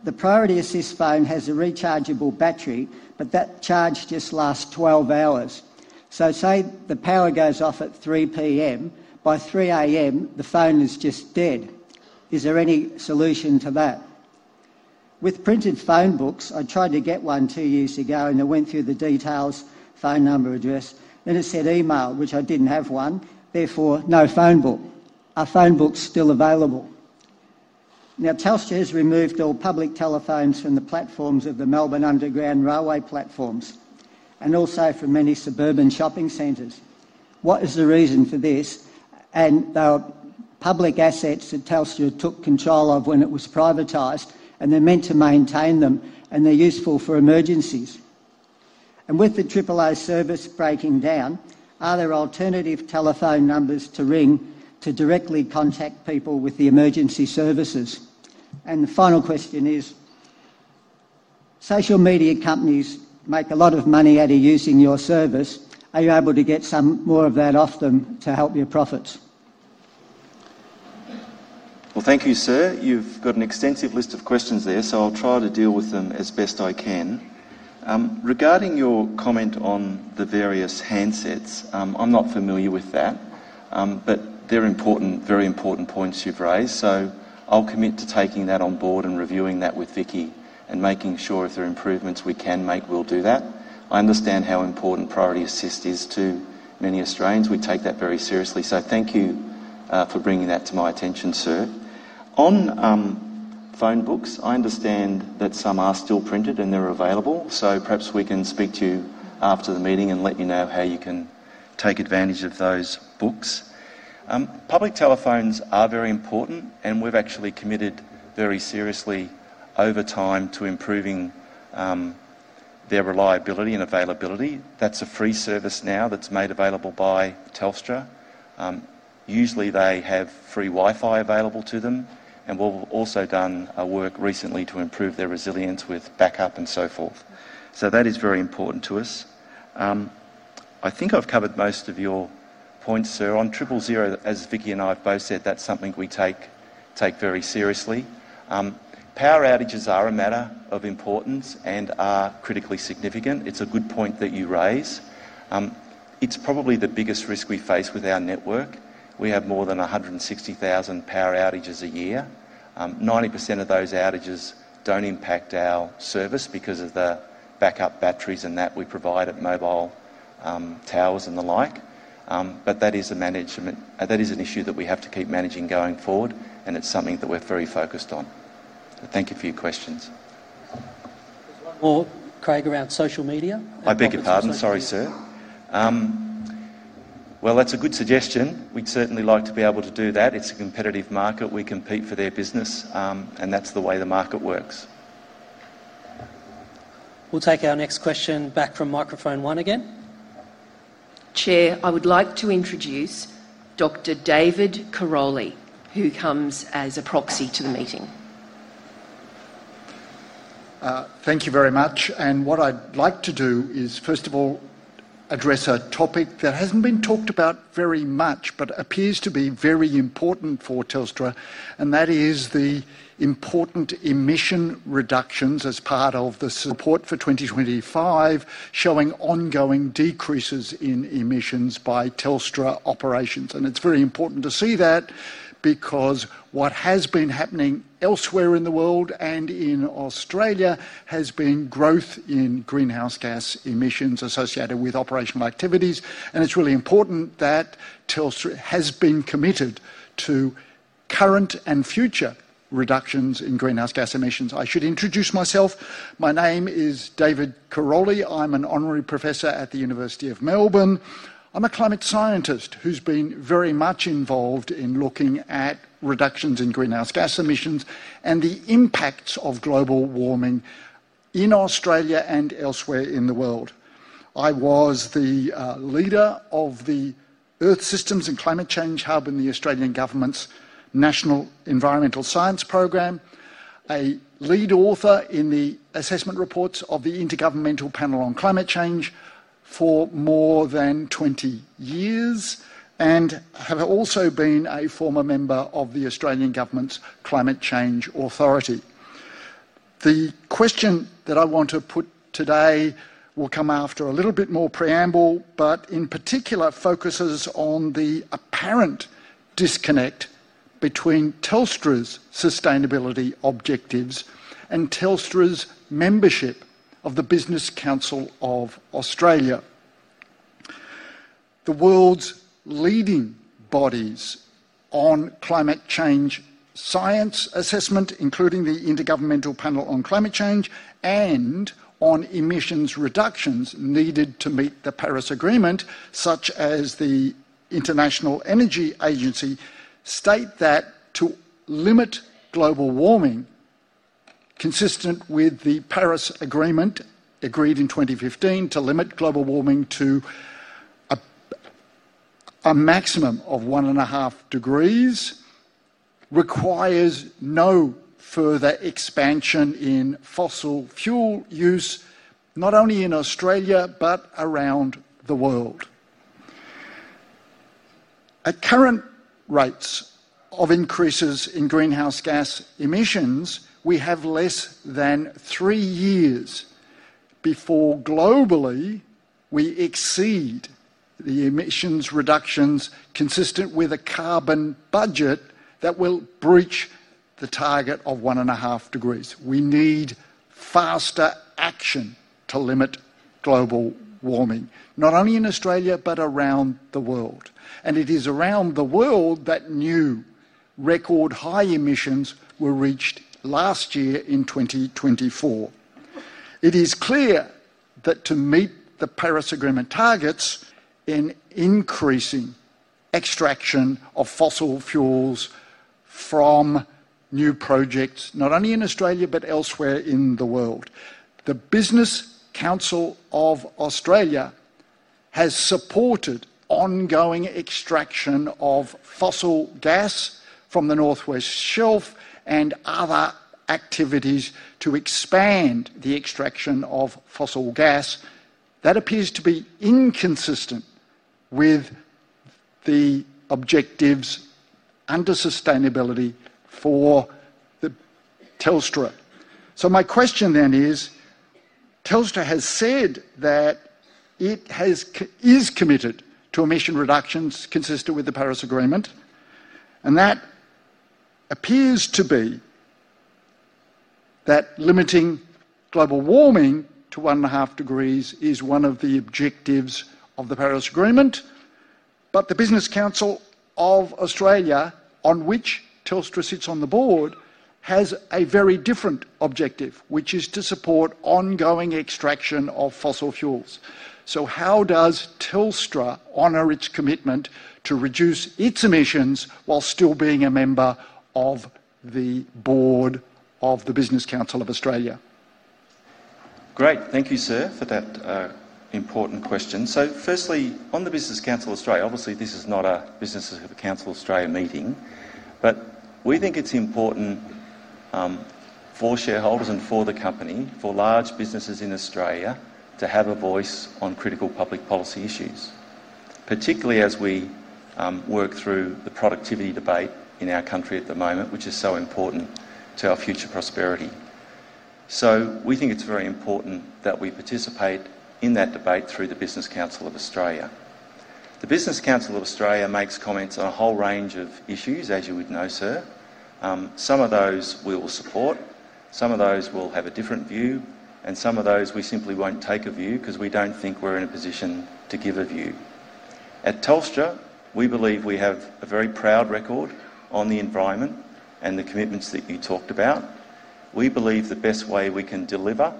The priority assist phone has a rechargeable battery power, but that charge just lasts 12 hours. If the power goes off at 3:00 P.M., by 3:00 A.M., the phone is just dead. Is there any solution to that? With printed phone books, I tried to get one two years ago and went through the details. Phone number, address, then it said email, which I didn't have one, therefore no phone book. Are phone books still available? Now Telstra has removed all public telephones from the platforms of the Melbourne Underground Railway platforms and also from many suburban shopping centers. What is the reason for this? They are public assets that Telstra took control of when it was privatized, and they're meant to maintain them, and they're useful for emergencies. With the AAA service breaking down, are there alternative telephone numbers to ring to directly contact people with the emergency services? The final question is, social media companies make a lot of money out of using your service. Are you able to get some more of that off them to help your profits? Thank you, sir. You've got an extensive list of questions there, so I'll try to deal with them as best I can. Regarding your comment on the various handsets, I'm not familiar with that, but they're important, very important points you've raised. I'll commit to taking that on board and reviewing that with Vicki and making sure if there are improvements we can make, we'll do that. I understand how important Priority Assist is to many Australians. We take that very seriously. Thank you for bringing that to my attention, sir. On phone books, I understand that some are still printed and they're available, so perhaps we can speak to you after the meeting and let you know how you can take advantage of those books. Public telephones are very important and we've actually committed very seriously over time to improving their reliability and availability. That's a free service now, made available by Telstra. Usually they have free Wi-Fi available to them, and we've also done work recently to improve their resilience with backup and so forth. That is very important to us. I think I've covered most of your points, sir, on Triple 0. As Vicki and I have both said, that's something we take very seriously. Power outages are a matter of importance and are critically significant. It's a good point that you raise. It's probably the biggest risk we face with our network. We have more than 160,000 power outages a year. 90% of those outages don't impact our service because of the backup batteries that we provide at mobile towers and the like. That is an issue that we have to keep managing going forward, and it's something that we're very focused on. Thank you for your questions. One more, Craig, around social media. I beg your pardon? Sorry, sir. That's a good suggestion. We'd certainly like to be able to do that. It's a competitive market. We compete for their business, and that's the way the market works. We'll take our next question from microphone one. Again, Chair, I would like to introduce Dr. David Lamont, who comes as a. Proxy to the meeting. Thank you very much. What I'd like to do is first of all address a topic that hasn't been talked about very much, but appears to be very important for Telstra, and that is the important emission reductions as part of the support for 2025 showing ongoing decreases in emissions by Telstra operations. It's very important to see that because what has been happening elsewhere in the world and in Australia has been growth in emissions in greenhouse gas emissions associated with operational activities. It's really important that Telstra has been committed to current and future reductions in greenhouse gas emissions. I should introduce myself. My name is David Karolyi. I'm an Honorary Professor at the University of Melbourne. I'm a climate scientist who's been very much involved in looking at reductions in greenhouse gas emissions and the impacts of global warming in Australia and elsewhere in the world. I was the leader of the Earth Systems and Climate Change Hub in the Australian Government's National Environmental Science Program, a lead author in the assessment reports of the Intergovernmental Panel on Climate Change for more than 20 years, and have also been a former member of the Australian Government's Climate Change Authority. The question that I want to put today will come after a little bit more preamble, but in particular focuses on the apparent disconnect between Telstra's sustainability objectives and Telstra's membership of the Business Council of Australia. The world's leading bodies on climate change science assessment, including the Intergovernmental Panel on Climate Change, and on emissions reductions needed to meet the Paris Agreement, such as the International Energy Agency, state that to limit global warming consistent with the Paris Agreement agreed in 2015, to limit global warming to a maximum of 1.5 degrees requires no further expansion in fossil fuel use, not only in Australia, but around the world. At current rates of increases in greenhouse gas emissions we have less than three years before globally we exceed the emissions reductions consistent with a carbon budget that will breach the target of 1.5 degrees. We need faster action to limit global warming not only in Australia, but around the world. It is around the world that new record high emissions were reached last year in 2024. It is clear that to meet the Paris Agreement targets, increasing extraction of fossil fuels from new projects not only in Australia, but elsewhere in the world, the Business Council of Australia has supported ongoing extraction of fossil gas from the Northwest Shelf and other activities to expand the extraction of fossil gas that appears to be inconsistent with the objectives under sustainability for Telstra. My question then is Telstra has said that it is committed to emission reductions consistent with the Paris Agreement, and that appears to be that. Limiting global warming to 1.5 degrees is one of the objectives of the Paris Agreement. The Business Council of Australia, on which Telstra sits on the board, has a very different objective, which is to support ongoing extraction of fossil fuels. So. How does Telstra honor its commitment to reduce its emissions while still being a member of the board of the Business Council of Australia? Great. Thank you, sir, for that important question. Firstly, on the Business Council of Australia, obviously this is not a Business Council of Australia meeting, but we think it's important for shareholders and for the company, for large businesses in Australia, to have a voice on critical public policy issues, particularly as we work through the productivity debate in our country at the moment, which is so important to our future prosperity. We think it's very important that we participate in that debate through the Business Council of Australia. The Business Council of Australia makes comments on a whole range of issues, as you would. No, sir. Some of those we will support, some of those will have a different view, and some of those we simply won't take a view because we don't think we're in a position to give a view. At Telstra, we believe we have a very proud record on the environment and the commitments that you talked about. We believe the best way we can deliver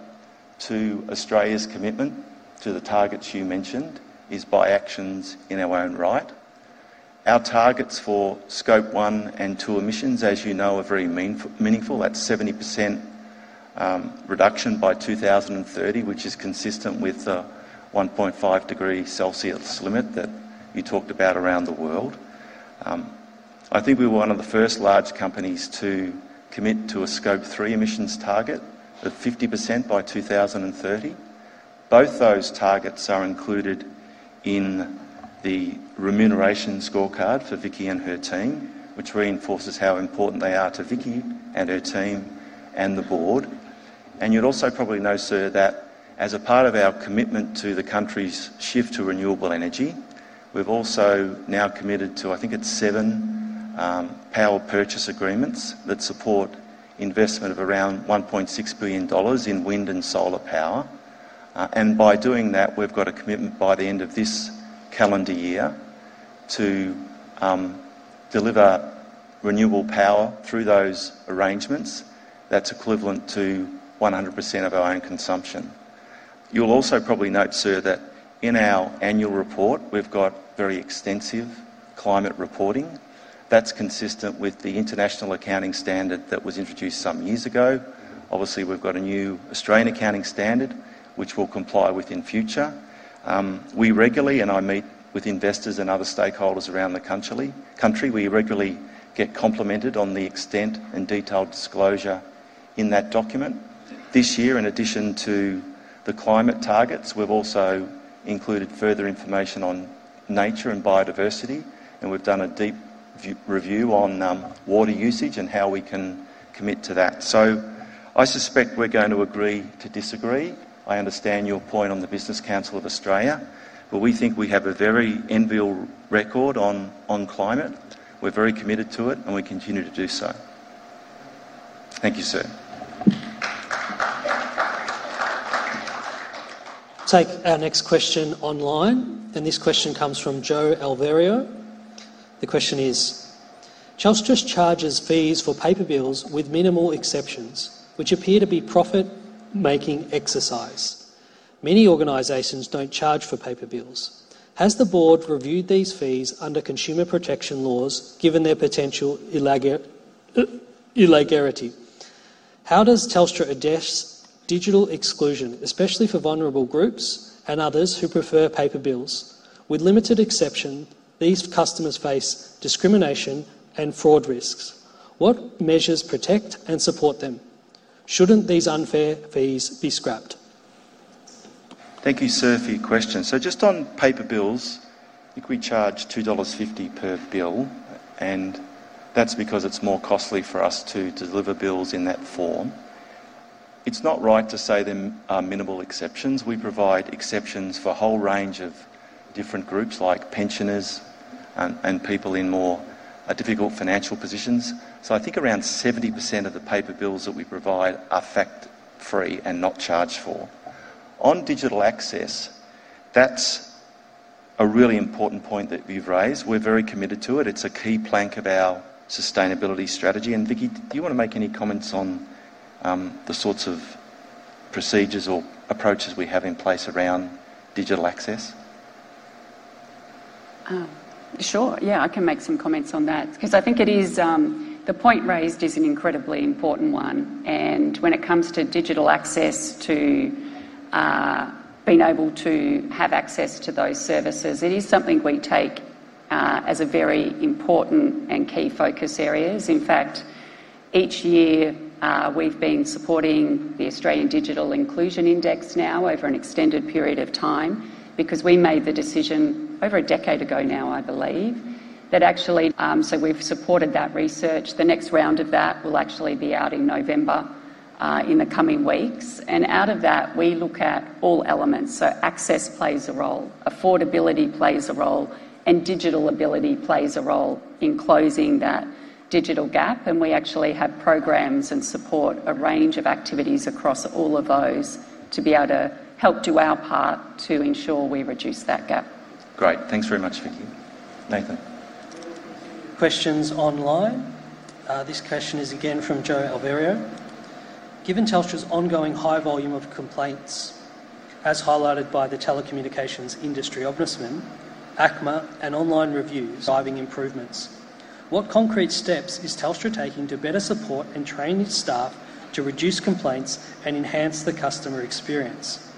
to Australia's commitment to the targets you mentioned is by action, in our own right. Our targets for Scope 1 and 2 emissions, as you know, are very meaningful at 70% reduction by 2030, which is consistent with the 1.5 degrees Celsius limit that you talked about around the world. I think we were one of the first large companies to commit to a Scope 3 emissions target of 50% by 2019. Both those targets are included in the remuneration scorecard for Vicki and her team, which reinforces how important they are to Vicki and her team and the board. You'd also probably know, sir, that as a part of our commitment to the country's shift to renewable energy, we've also now committed to, I think it's seven power purchase agreements that support investment of around $1.6 billion in wind and solar power. By doing that, we've got a commitment by the end of this calendar year to deliver renewable power through those arrangements. That's equivalent to 100% of our own consumption. You'll also probably note, sir, that in our annual report, we've got very extensive climate reporting that's consistent with the international accounting standard that was introduced some years ago. Obviously, we've got a new Australian accounting standard which we'll comply with in future. We regularly, and I meet with investors and other stakeholders around the country. We regularly get complimented on the extent and detailed disclosure in that document. This year, in addition to the climate targets, we've also included further information on nature and biodiversity and we've done a deep review on water usage and how we can commit to that. I suspect we're going to agree to disagree. I understand your point on the Business Council of Australia, but we think we have a very enviable record on climate. We're very committed to it and we continue to do so. Thank you, sir. Take our next question online. This question comes from Joe Alverio. The question is Telstra charges fees for paper bills with minimal exceptions, which appear to be a profit making exercise. Many organizations don't charge for paper bills. Has the board reviewed these fees under consumer protection laws? Given their potential, how does Telstra address digital exclusion, especially for vulnerable groups and others who prefer paper bills? With limited exception, these customers face discrimination and fraud risks. What measures protect and support them? Shouldn't these unfair fees be scrapped? Thank you, sir, for your question. Just on paper bills, we charge $2.50 per bill, and that's because it's more costly for us to deliver bills in that form. It's not right to say there are minimal exceptions. We provide exceptions for a whole range of different groups like pensioners and people in more difficult financial positions. I think around 70% of the paper bills that we provide are fact free and not charged for on digital access. That's a really important point that you've raised. We're very committed to it. It's a key plank of our sustainability strategy. Vicki, do you want to make any comments on the sorts of procedures or approaches we have in place around digital access? Sure, yeah, I can make some comments on that because I think the point raised is an incredibly important one. When it comes to digital access, to being able to have access to those services, it is something we take as a very important and key focus area. In fact, each year we've been supporting the Australian Digital Inclusion Index now over an extended period of time because we made the decision over a decade ago now, I believe. We've supported that research. The next round of that will actually be out in November, in the coming weeks. Out of that we look at all elements. Access plays a role, affordability plays a role, and digital ability plays a role in closing that digital gap. We actually have programs and support a range of activities across all of those to be able to help do our part to ensure we reduce that gap. Great. Thanks very much, Vicki, Nathan. Questions online. This question is again from Joe Alvario. Given Telstra's ongoing high volume of complaints, as highlighted by the telecommunications industry, Ombudsman, ACMA, and online reviews driving improvements, what concrete steps is Telstra taking to better support and train its staff to reduce complaints and enhance the customer experience?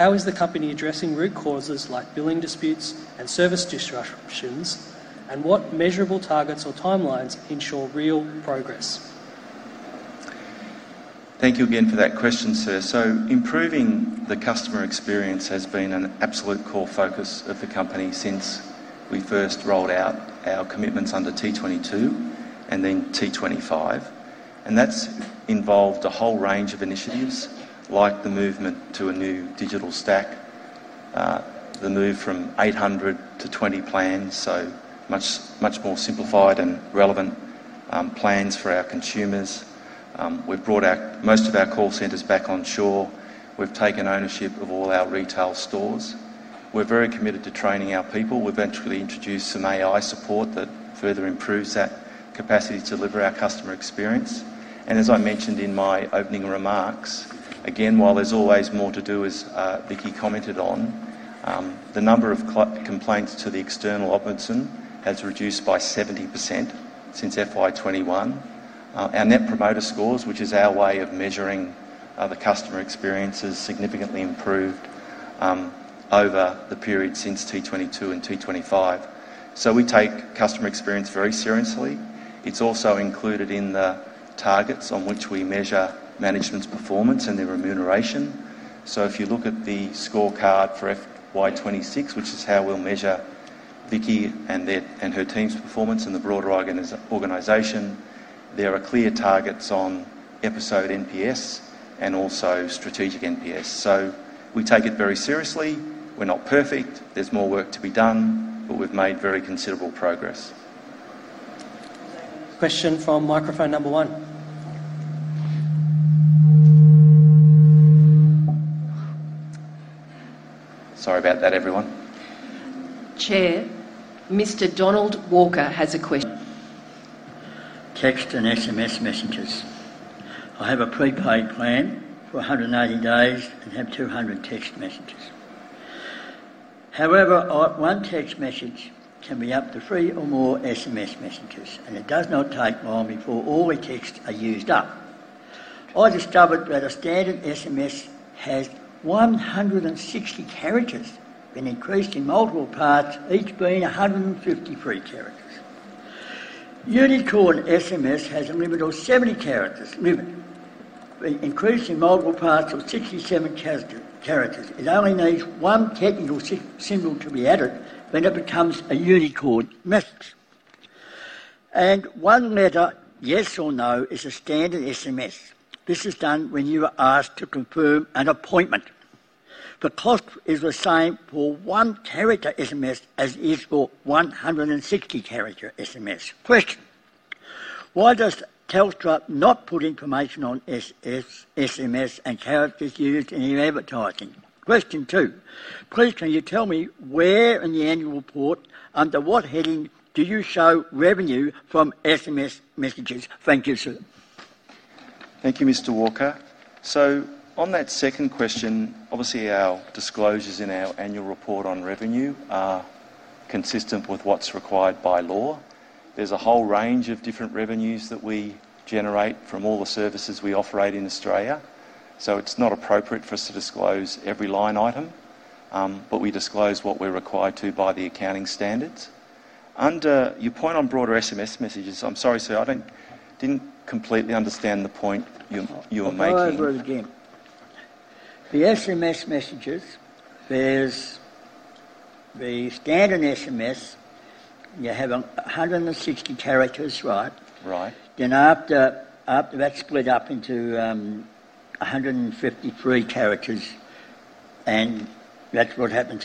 How is the company addressing root causes like billing disputes and service disruptions? What measurable targets or timelines ensure real progress? Thank you again for that question, sir. Improving the customer experience has been an absolute core focus of the company since we first rolled out our commitments under T22 and then T25. That has involved a whole range of initiatives like the movement to a new digital stack, the move from 800 to 20 plans, so much more simplified and relevant plans for our consumers. We've brought most of our call centers back onshore, we've taken ownership of all our retail stores, and we're very committed to training our people. We've actually introduced some AI support that further improves our capacity to deliver our customer experience. As I mentioned in my opening remarks, while there's always more to do, as Vicki commented on, the number of complaints to the external ombudsman has reduced by 70% since FY2021. Our net promoter scores, which is our way of measuring the customer experience, have significantly improved over the period since T22 and T25. We take customer experience very seriously. It's also included in the targets on which we measure management's performance and their remuneration. If you look at the scorecard for FY2026, which is how we'll measure Vicki and her team's performance in the broader organization, there are clear targets on episode NPS and also strategic NPS. We take it very seriously. We're not perfect, there's more work to be done, but we've made very considerable progress. Question from microphone number one. Sorry about that, everyone. Chair Mr. Donald Walker has a question. Text and SMS messages. I have a prepaid plan for 180 days and have 200 text messages. However, one text message can be up to three or more SMS messages, and it does not take long before all the texts are used up. I discovered that a standard SMS has 160 characters, being increased in multiple parts, each being 153 characters. Unicode SMS has a limit of 70 characters, with the increase in multiple parts of 67 characters. It only needs one technical symbol to be added, then it becomes a Unicode message. One letter, yes or no, is a standard SMS. This is done when you are asked to confirm an appointment. The cost is the same for a one character SMS as it is for a 160 character SMS. Question, why does Telstra not put information on SMS and characters used in advertising? Question two, please. Can you tell me where in the annual report, under what heading, do you show revenue from SMS messages? Thank you, Sir. Thank you, Mr. Walker. On that second question, obviously our disclosures in our annual report on revenue are consistent with what's required by law. There's a whole range of different revenues that we generate from all the services we offer in Australia. It's not appropriate for us to disclose every line item, but we disclose what we're required to by the accounting standards. Under your point on broader SMS messages, I'm sorry, sir, I didn't completely understand the point you were making. Go over it again. The SMS messages, there's the standard SMS, you have 160 characters, right? Right. After that, split up into 153 characters and that's what happens.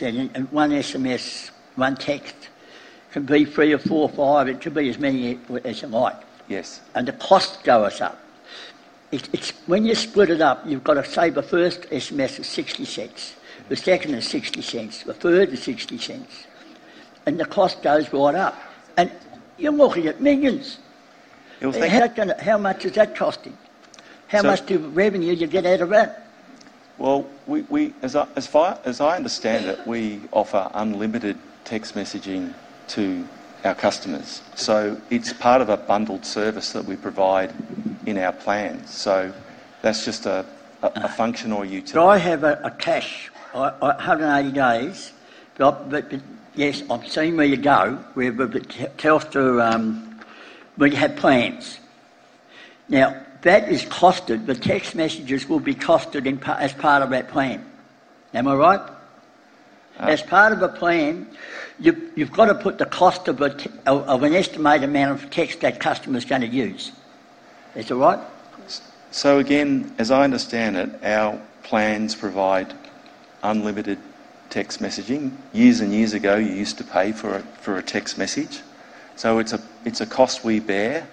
One SMS, one text, can be three or four or five. It could be as many as you might. Yes. The cost goes up when you split it up. You've got to save a first SMS at $0.60, the second is $0.60, the third is $0.60, and the cost goes right up. You're looking at millions. How much is that costing? How much revenue do you get out of it? As I understand it, we offer unlimited text messaging to our customers. It's part of a bundled service that we provide in our plan, so that's just a functional utility. I have a cash $180 days. Yes. I've seen where you go, where you have plans. Now that is costed, the text messages will be costed as part of that plan. Am I right? As part of a plan, you've got to put the cost of an estimated amount of text that customer is going to use, is that right? As I understand it, our plans provide unlimited text messaging. Years and years ago you used to pay for a text message. It's a cost we bear,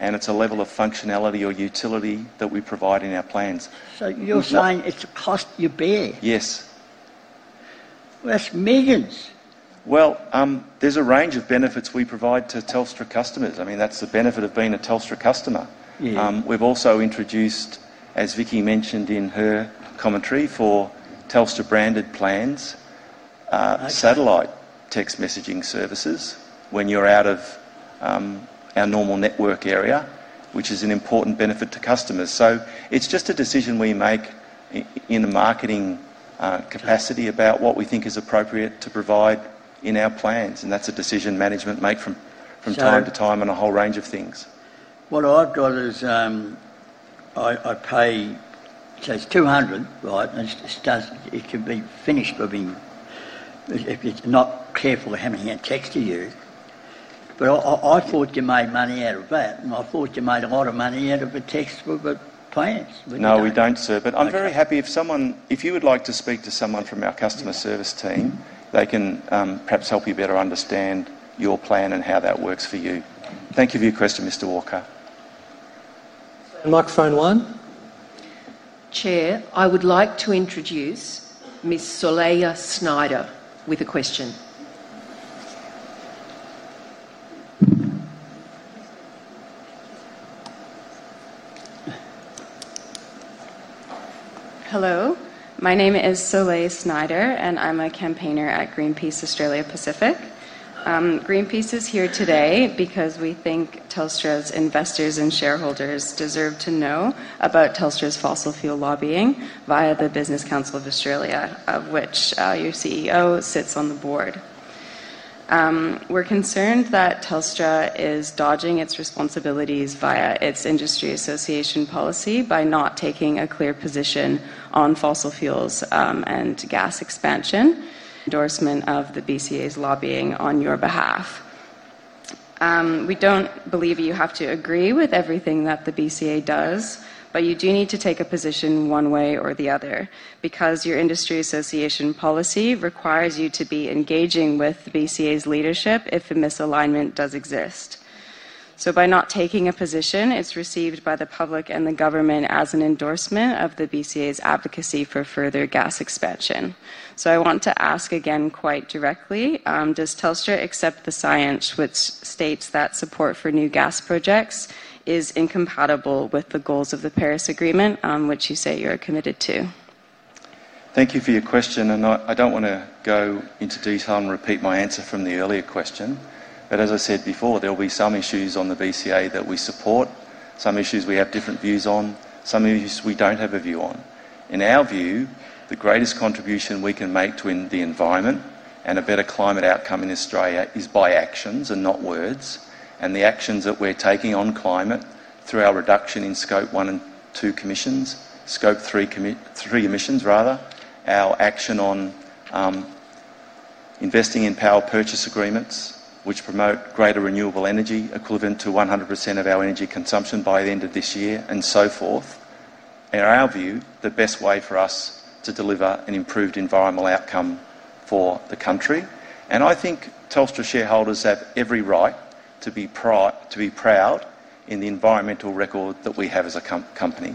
and it's a level of functionality or utility that we provide in our plans. You're saying it's a cost you bear? Yes. That's millions. There is a range of benefits we provide to Telstra customers. I mean, that's the benefit of being a Telstra customer. We've also introduced, as Vicki mentioned in her commentary for Telstra, branded plans, satellite text messaging services when you're out of our normal network area, which is an important benefit to customers. It's just a decision we make in the marketing capacity about what we think is appropriate to provide in our plans. That's a decision management make from time to time and a whole range of things. What I've got is I pay. It's $200, right? It can be finished if you're not careful having a text to you. I thought you made money out of that. I thought you made a lot of money out of the text for the plants. No, we don't, sir, but I'm very happy if you would like to speak to someone from our customer service team. They can perhaps help you better understand your plan and how that works for you. Thank you. View Creston Mr. Walker, microphone one. Chair, I would like to introduce Ms. Soleila Snyder with a question. Hello, my name is Soleila Snyder and I'm a campaigner at Greenpeace Australia Pacific. Greenpeace is here today because we think Telstra's investors and shareholders deserve to know about Telstra's fossil fuel lobbying via the Business Council of Australia, of which your CEO sits on the board. We're concerned that Telstra is dodging its responsibilities via its industry association policy by not taking a clear position on fossil fuels and gas expansion. Endorsement of the BCA's lobbying on your behalf. We don't believe you have to agree with everything that the BCA does. You do need to take a position one way or the other, because your industry association policy requires you to be engaging with the BCA's leadership if a misalignment does exist. By not taking a position, it's received by the public and the government as an endorsement of the BCA's advocacy for further gas expansion. I want to ask again, quite directly, does Telstra accept the science which states that support for new gas projects is incompatible with the goals of the Paris Agreement, which you say you are committed to? Thank you for your question. I don't want to go into detail and repeat my answer from the earlier question, but as I said before, there will be some issues on the BCA that we support, some issues we have different views on, and some issues we don't have a view on. In our view, the greatest contribution we can make to the environment and a better climate outcome in Australia is by actions and not words. The actions that we're taking on climate through our reduction in Scope 1 and 2 emissions, Scope 3 emissions rather, our action on investing in power purchase agreements which promote greater renewable energy, equivalent to 100% of our energy consumption by the end of this year and so forth, in our view, are the best way for us to deliver an improved environmental outcome for the country. I think Telstra shareholders have every right to be proud in the environmental record that we have as a company.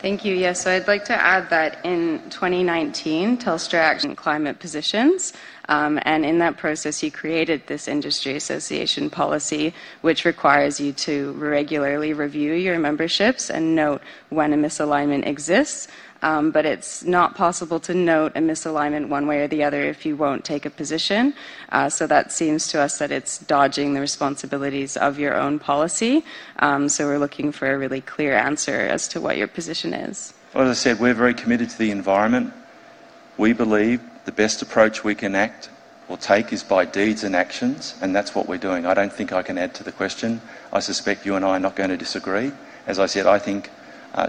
Thank you. Yes, I'd like to add that in 2019, Telstra actioned climate positions, and in that process, you created this industry association policy, which requires you to regularly review your memberships and note when a misalignment exists. It's not possible to note a misalignment one way or the other if you won't take a position. That seems to us that it's dodging the responsibilities of your own policy. We're looking for a really clear answer as to what your position is. As I said, we're very committed to the environment. We believe the best approach we can act or take is by deeds and actions, and that's what we're doing. I don't think I can add to the question. I suspect you and I are not going to disagree. As I said, I think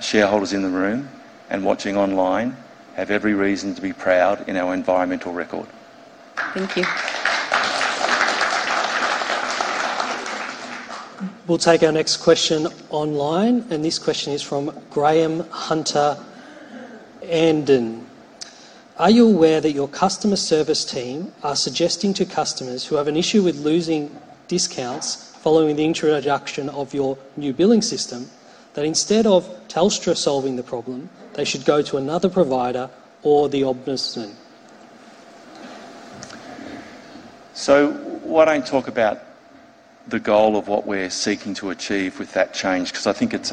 shareholders in the room and watching online have every reason to be proud in our environmental record. Thank you. We'll take our next question online. This question is from Graeme Hunter. Are you aware that your customer service team are suggesting to customers who have an issue with losing discounts following the introduction of your new billing system that instead of Telstra solving the problem, they should go to another provider or the ombudsman? Why don't we talk about the goal of what we're seeking to achieve with that change? I think it's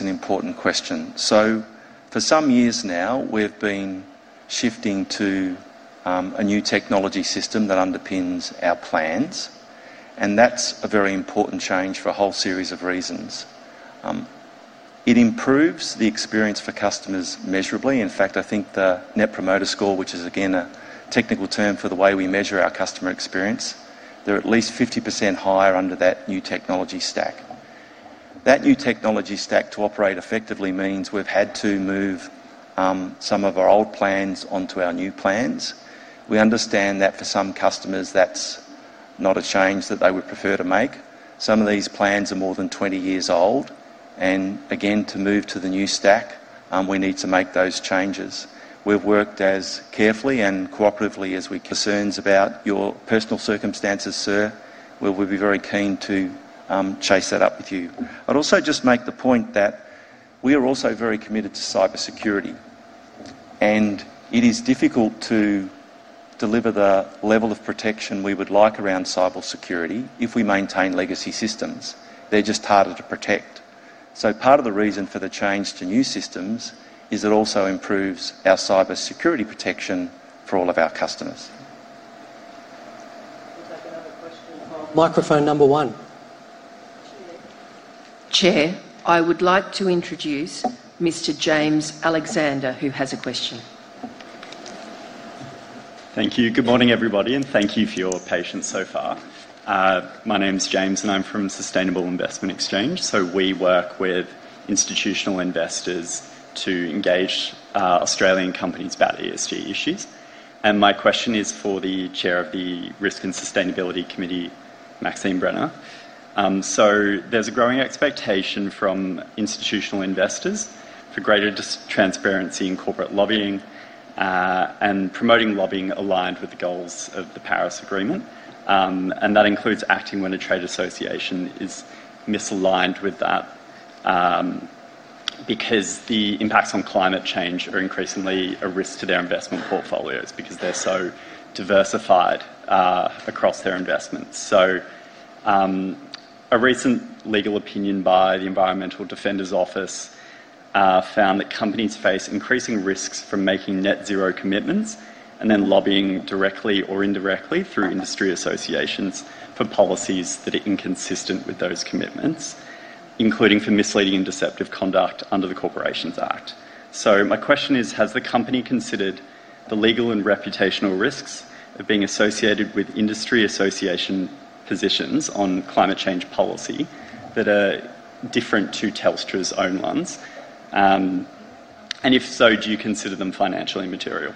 an important question. For some years now, we've been shifting to a new technology system that underpins our plans, and that's a very important change for a whole series of reasons. It improves the experience for customers. In fact, I think the Net Promoter Score, which is again a technical term for the way we measure our customer experience, is at least 50% higher under that new technology stack. That new technology stack, to operate effectively, means we've had to move some of our old plans onto our new plans. We understand that for some customers, that's not a change that they would prefer to make. Some of these plans are more than 20 years old. Again, to move to the new stack, we need to make those changes. We've worked as carefully and cooperatively as we can. If you have concerns about your personal circumstances, sir, we'll be very keen to chase that up with you. I'd also just make the point that we are also very committed to cyber security, and it is difficult to deliver the level of protection we would like around cyber security if we maintain legacy systems. They're just harder to protect. Part of the reason for the change to new systems is it also improves our cyber security protection for all of our customers. Microphone number one. Chair, I would like to introduce Mr. James Alexander, who has a question. Thank you. Good morning, everybody, and thank you for your patience so far. My name is James and I'm from Sustainable Investment Exchange. We work with institutional investors to engage Australian companies about ESG issues. My question is for the Chair of the Risk and Sustainability Committee, Maxine Brenner. There is a growing expectation from institutional investors for greater transparency in corporate lobbying and promoting lobbying aligned with the goals of the Paris Agreement, and that includes acting when a trade association is misaligned with that because the impacts on climate change are increasingly a risk to their investment portfolios because they're so diversified across their investments. A recent legal opinion by the Environmental Defender's Office found that companies face increasing risks from making net zero commitments and then lobbying directly or indirectly through industry associations for policies that are inconsistent with those commitments, including for misleading and deceptive conduct under the Corporations Act. My question is, has the company considered the legal and reputational risks being associated with industry association positions on climate change policy that are different to Telstra's own ones? If so, do you consider them financially material?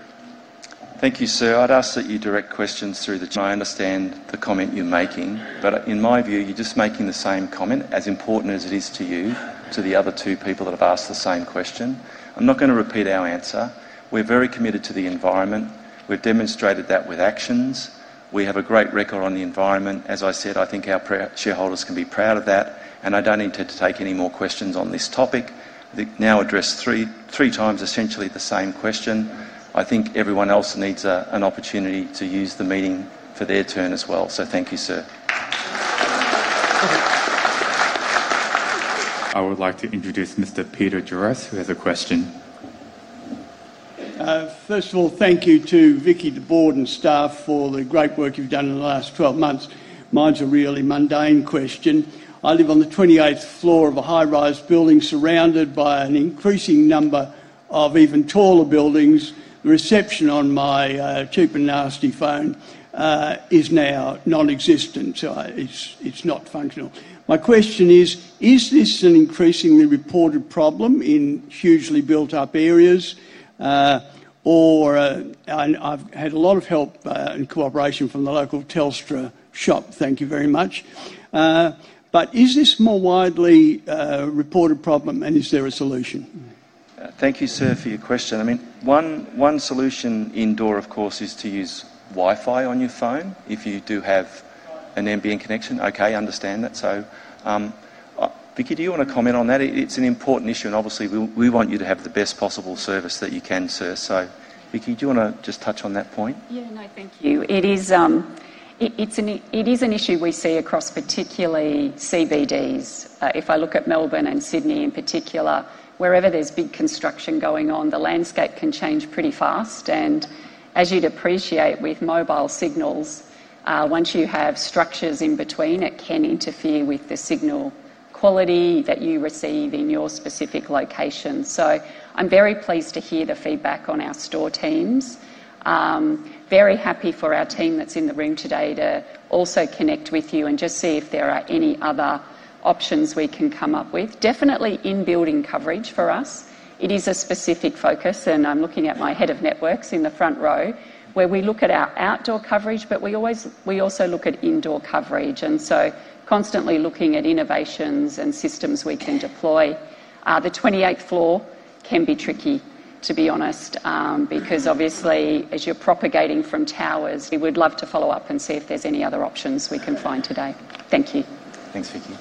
Thank you, sir. I'd ask that you direct questions through the channel. I understand the comment you're making, but in my view, you're just making the same comment. As important as it is to you, to the other two people that have asked the same question, I'm not going to repeat our answer. We're very committed to the environment. We've demonstrated that with actions, we have a great record on the environment. As I said, I think our shareholders can be proud of that and I don't intend to take any more questions on this topic. Now address three times essentially the same question. I think everyone else needs an opportunity to use the meeting for their turn as well, so thank you, sir. I would like to introduce Mr. Peter Cleary. Duras, who has a question. First of all, thank you to Vicki, the board and staff, for the great work you've done in the last 12 months. Mine's a really mundane question. I live on the 28th floor of a high-rise building surrounded by an increasing number of even taller buildings. The reception on my cheap and nasty phone is now non-existent. It is not functional. My question is, is this an increasingly reported problem in hugely built up areas? I've had a lot of help and cooperation from the local Telstra shop, thank you very much. Is this a more widely reported problem, and is there a solution? Thank you, sir, for your question. I mean, one solution, indoor of course, is to use Wi-Fi on your phone if you do have an ambient connection. Okay, understand that. Vicki, do you want to comment on that? It's an important issue, and obviously we want you to have the best possible service that you can, sir. Vicki, do you want to just touch on that point? Thank you. It is an issue we see across, particularly CBDs. If I look at Melbourne and Sydney in particular, wherever there's big construction going on, the landscape can change pretty fast. As you'd appreciate with mobile signals, once you have structures in between, it can interfere with the signal quality that you receive in your specific location. I'm very pleased to hear the feedback on our store teams. Very happy for our team that's in the room today to also connect with you and just see if there are any other options we can come up with. Definitely, in building coverage for us it is a specific focus and I'm looking at my Head of Networks in the front row where we look at our outdoor coverage, but we also look at indoor coverage and are constantly looking at innovations and systems we can deploy. The 28th floor can be tricky, to be honest, because obviously as you're propagating from towers, we would love to follow up and see if there's any other options we can find today. Thank you. Thanks, Vicki.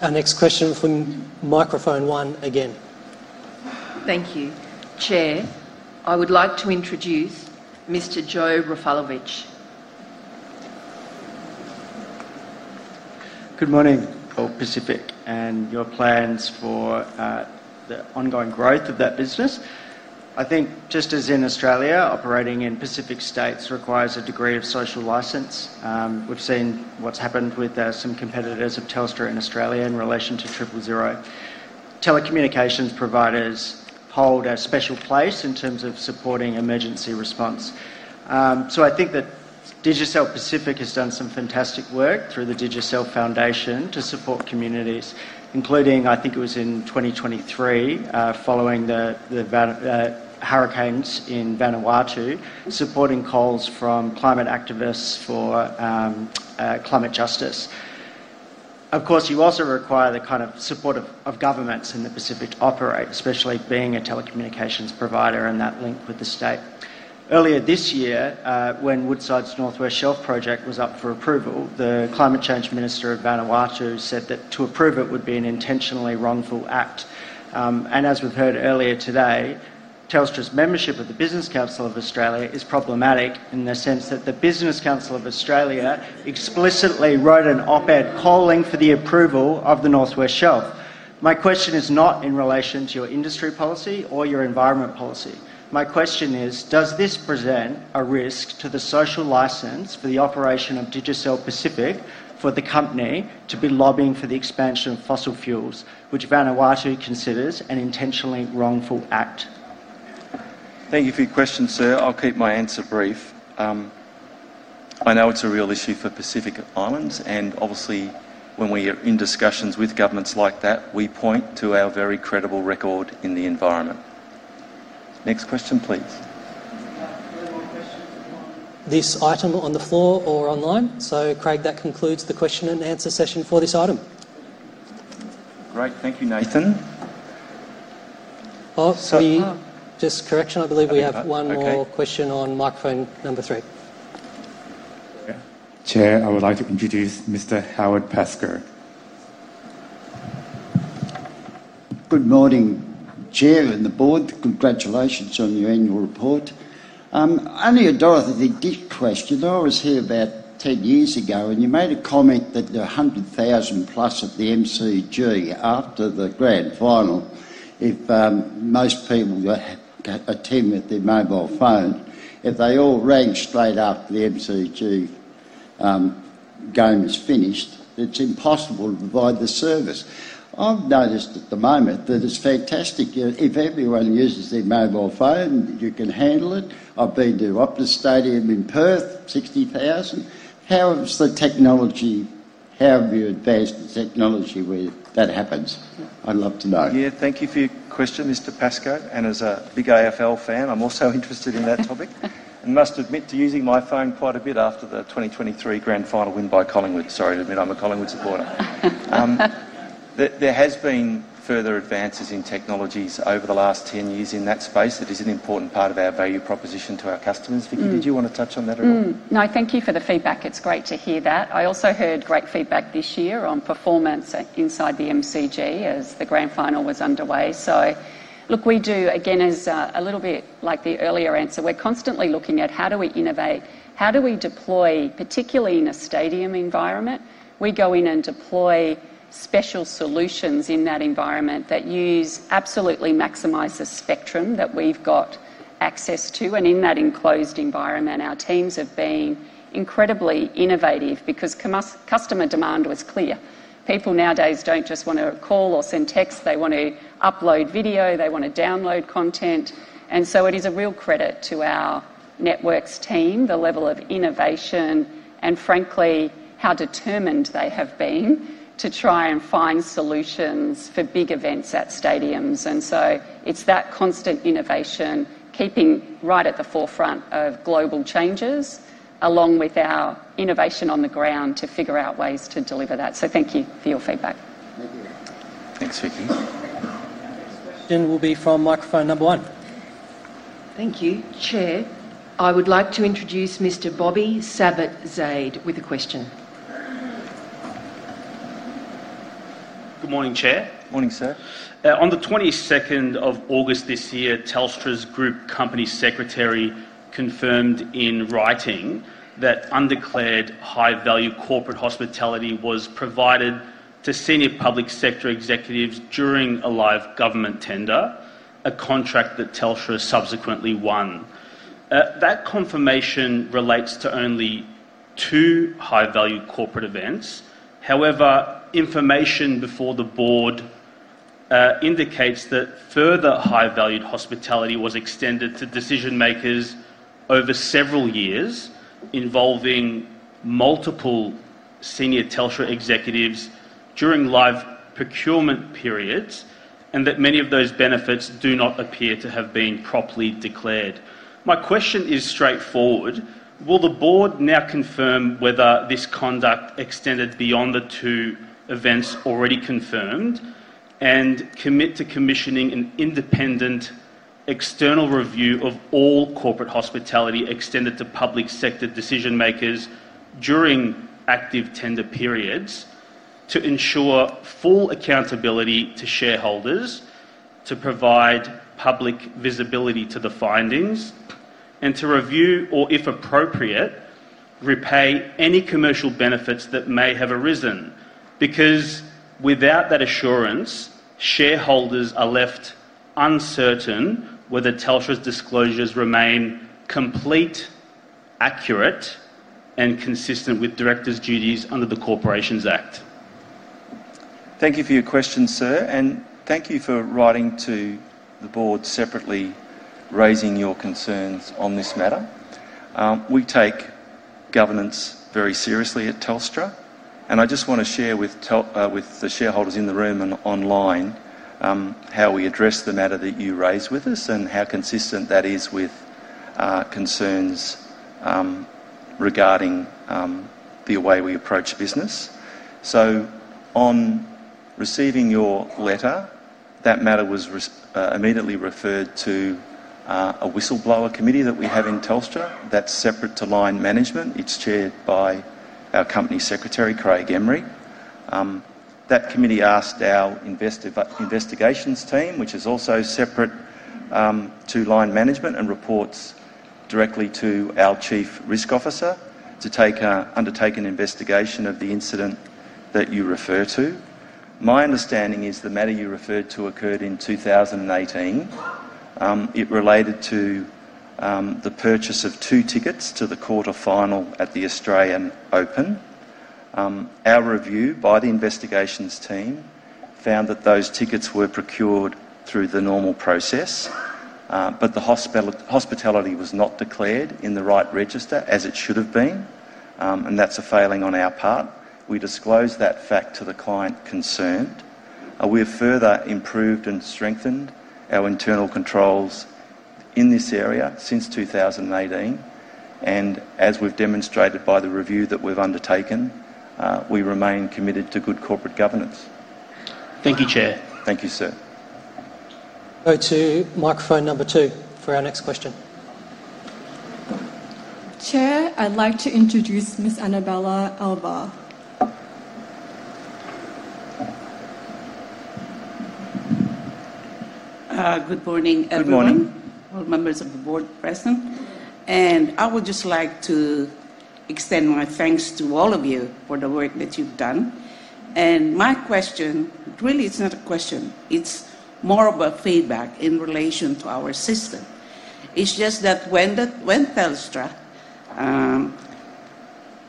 Our next question from microphone 1. Again, thank you, Chair. I would like to introduce Mr. Jo Rafalowicz. Good morning. All Pacific and your plans for the ongoing growth of that business. I think just as in Australia, operating in Pacific states requires a degree of social license. We've seen what's happened with some competitors of Telstra in Australia in relation to Triple Zero. Telecommunications providers hold a special place in terms of supporting emergency response. I think that Digicel Pacific has done some fantastic work through the Digicel Foundation to support communities, including, I think it was in 2020 following the hurricanes in Vanuatu, supporting calls from climate activists for climate justice. Of course, you also require the kind of support of governments in the Pacific to operate, especially being a telecommunications provider and that link with the state. Earlier this year, when Woodside's Northwest Shelf project was up for approval, the Climate Change Minister of Vanuatu said that to approve it would be an intentionally wrongful act. As we've heard earlier today, Telstra's membership of the Business Council of Australia is problematic in the sense that the Business Council of Australia explicitly wrote an op-ed calling for the approval of the Northwest Shelf. My question is not in relation to your industry policy or your environment policy. My question is, does this present a risk to the social license for the operation of Digicel Pacific for the company to be lobbying for the expansion of fossil fuels, which Vanuatu considers an intentionally wrongful act? Thank you for your question, sir. I'll keep my answer brief. I know it's a real issue for Pacific Islands, and obviously when we are in discussions with governments like that, we point to our very credible record in the environment. Next question, please. this item on the floor or online. Craig, that concludes the question and answer session for this item. Great, thank you, Nathan. I believe we have one more question on microphone number three. Chair, I would like to introduce Mr. Howard Pasker. Good morning, Chair and the Board. Congratulations on your annual report. Only a Dorothy Dick question. I was here about 10 years ago and you made a comment that the. Hundred thousand plus at the MCG after. The Grand Final, if most people attend. With their mobile phone, if they all rang straight after the McGuire game is. Finished. It's impossible to provide the service. I've noticed at the moment that it's fantastic if everyone uses their mobile phone. You can handle it. I've been to Optus Stadium in Perth. 60,000. How's the technology? How have you advanced the technology where that happens? I'd love to know. Thank you for your question, Mr. Pascoe. As a big AFL fan, I'm also so interested in that topic and must admit to using my phone quite a bit after the 2023 grand final win by Collingwood. Sorry to admit I'm a Collingwood supporter. There have been further advances in technologies over the last 10 years in that space. That is an important part of our value proposition to our customers. Vicki, did you want to touch on that at all? Thank you for the feedback. It's great to hear that. I also heard great feedback this year on performance inside the MCG as the Grand Final was underway. We do again, as a little bit like the earlier answer, we're constantly looking at how do we innovate, how do we deploy, particularly in a stadium environment. We go in and deploy special solutions in that environment that absolutely maximize the spectrum that we've got access to. In that enclosed environment, our teams have been incredibly innovative because customers' demand was clear. People nowadays don't just want to call or send texts, they want to upload video, they want to download content. It is a real credit to our networks team, the level of innovation and frankly how determined they have been to try and find solutions for big events at stadiums. It's that constant innovation, keeping right at the forefront of global changes along with our innovation on the ground to figure out ways to deliver that. Thank you for your feedback. Thanks, Vicki. question will be from microphone number one. Thank you. Chair, I would like to introduce Mr. Bobby Sabat Zaid with a question. Good morning, Chair. Morning, sir. On the 22nd of August this year, Telstra's Group Company Secretary confirmed in writing that undeclared high value corporate hospitality was provided to senior public sector executives during a live government tender, a contract that Telstra subsequently won. That confirmation relates to only two high value corporate events. However, information before the board indicates that further high value hospitality was extended to decision makers over several years involving multiple senior Telstra executives during live procurement periods and that many of those benefits do not appear to have been properly declared. My question is straightforward. Will the board now confirm whether this conduct extended beyond the two events already confirmed and commit to commissioning an independent external review of all corporate hospitality extended to public sector decision makers during active tender periods to ensure full accountability to shareholders, to provide public visibility to the findings, and to review or, if appropriate, repay any commercial benefits that may have arisen? Because without that assurance, shareholders are left uncertain whether Telstra's disclosures remain complete, accurate, and consistent with directors' duties under the Corporations Act. Thank you for your question, sir, and thank you for writing to the board separately raising your concerns on this matter. We take governance very seriously at Telstra, and I just want to share with the shareholders in the room and online how we address the matter that you raise with us and how consistent that is with concerns regarding the way we approach business. Upon receiving your letter, that matter was immediately referred to a whistleblower committee that we have in Telstra that's separate to line management. It's chaired by our Company Secretary, Craig Emery. That committee asked our investigations team, which is also separate to line management and reports directly to our Chief Risk Officer, to undertake an investigation of the incident that you refer to. My understanding is the matter you referred to occurred in 2018. It related to the purchase of two tickets to the quarter final at the Australian Open. Our review by the investigations team found that those tickets were procured through the normal process, but the hospitality was not declared in the right register as it should have been, and that's a failing on our part. We disclosed that fact to the client concerned. We have further improved and strengthened our internal controls in this area since 2018. As we've demonstrated by the review that we've undertaken, we remain committed to good corporate governance. Thank you, Chair. Thank you, sir. Go to microphone number two for our next question. Chair, I'd like to introduce Ms. Annabella Alvar. Good morning. Good morning. All members of the board present, and I would just like to extend my thanks to all of you for the work that you've done. My question, really, it's not a question, it's more of a feedback in relation to our system. It's just that when Telstra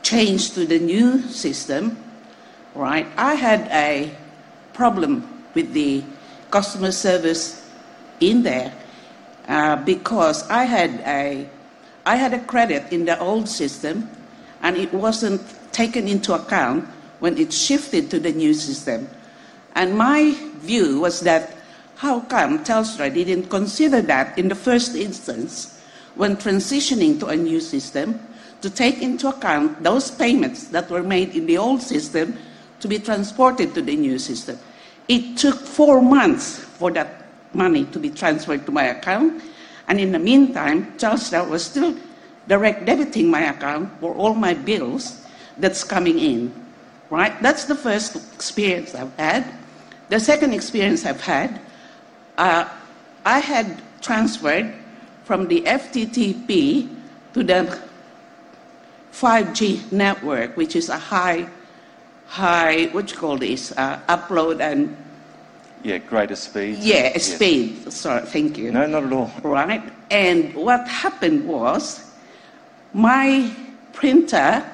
changed to the new system, I had a problem with the customer service in there because I had a credit in the old system and it wasn't taken into account when it shifted to the new system. My view was that how come Telstra didn't consider that in the first instance when transitioning to a new system to take into account those payments that were made in the old system to be transported to the new system. It took four months for that money to be transferred to my account. In the meantime, Telstra was still direct debiting my account for all my bills that's coming in. That's the first experience I've had. The second experience I've had, I had transferred from the FTTP to the 5G network, which is a high, high, what you call this, upload app. Yeah, greater speed. Yeah, speed. Sorry. Thank you. No, not at all. Right. What happened was my printer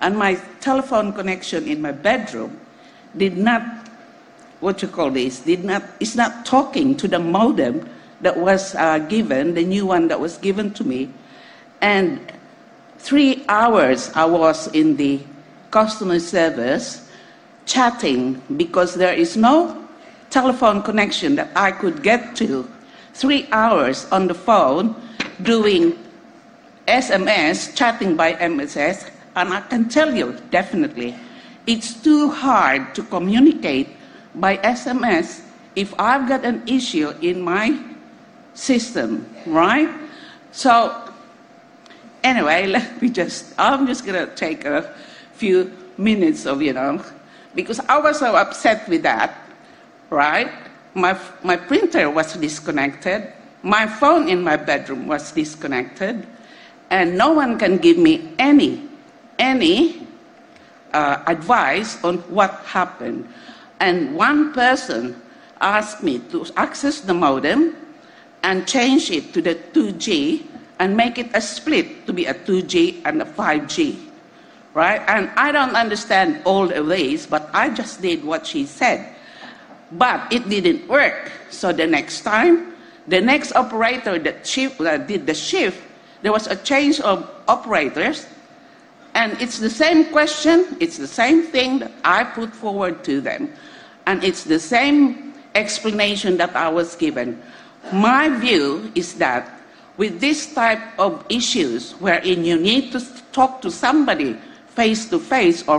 and my telephone connection in my bedroom did not, what do you call this, did not, it's not talking to the modem that was given, the new one that was given to me. Three hours I was in the customer service chatting because there is no telephone connection that I could get to. Three hours on the phone doing SMS chatting by SMS. I can tell you definitely it's too hard to communicate by SMS if I've got an issue in my system. Right. So. Let me just take a few minutes. I was so upset with that. My printer was disconnected, my phone in my bedroom was disconnected, and no one can give me any advice on what happened. One person asked me to access the modem and change it to the 2G and make it a split to be a 2G and a 5G. Right. I don't understand all the ways, but I just did what she said, and it didn't work. The next time, the next operator did the shift. There was a change of operators, and it's the same question, it's the same thing I put forward to them, and it's the same explanation that I was given. My view is that with this type of issues, wherein you need to talk to somebody face to face or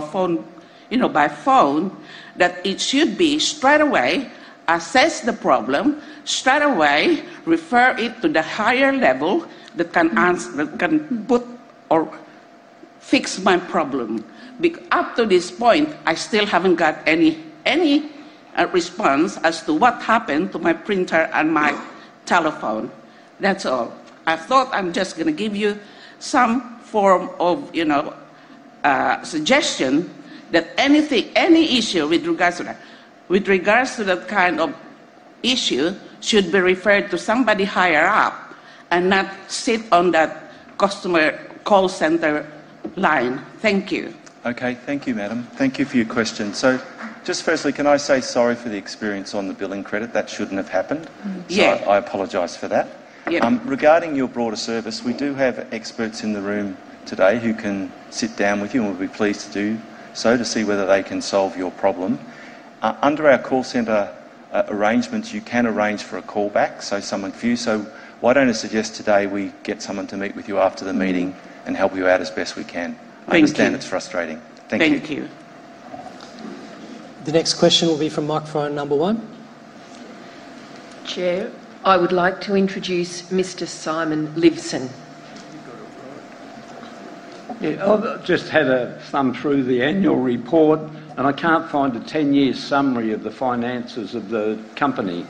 by phone, it should be straight away, assess the problem straight away, refer it to the higher level that can answer, can put, or fix my problem. Up to this point, I still haven't got any response as to what happened to my printer and my telephone. That's all I thought. I'm just going to give you some form of suggestion that any issue with regards to that, with regards to that kind of issue, should be referred to somebody higher up and not sit on that customer call center line. Thank you. Okay, thank you, madam, thank you for your question. Firstly, can I say sorry for the experience on the billing credit, that shouldn't have happened. I apologize for that. Regarding your broader service, we do have experts in the room today who can sit down with you, and we'll be pleased to do so to see whether they can solve your problem. Under our call center arrangements, you can arrange for a callback, so someone for you. Why don't I suggest today we get someone to meet with you after the meeting and help you out as best we can. Understand, it's frustrating. Thank you. Thank you. The next question will be from microphone number one, Chair. I would like to introduce Mr. Simon Liveson. Just had a thumb through the annual. Report and I can't find a 10. Year summary of the finances of the company.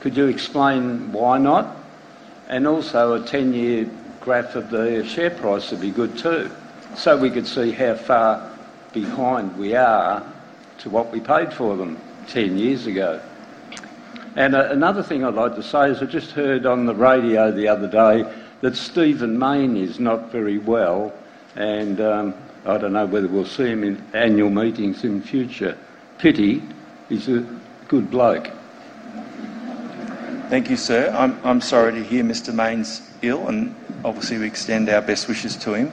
Could you explain why not? Also a 10 year graph of. The share price would be good too, so we could see how far behind we are to what we paid for. Them 10 years ago. Another thing I'd like to say is I just heard on the radio the other day that Stephen Mayne is not very well, and I don't know whether we'll see him in annual meetings in future. Pity he's a good bloke. Thank you, sir. I'm sorry to hear Mr. Main's ill, and obviously, we extend our best wishes to him.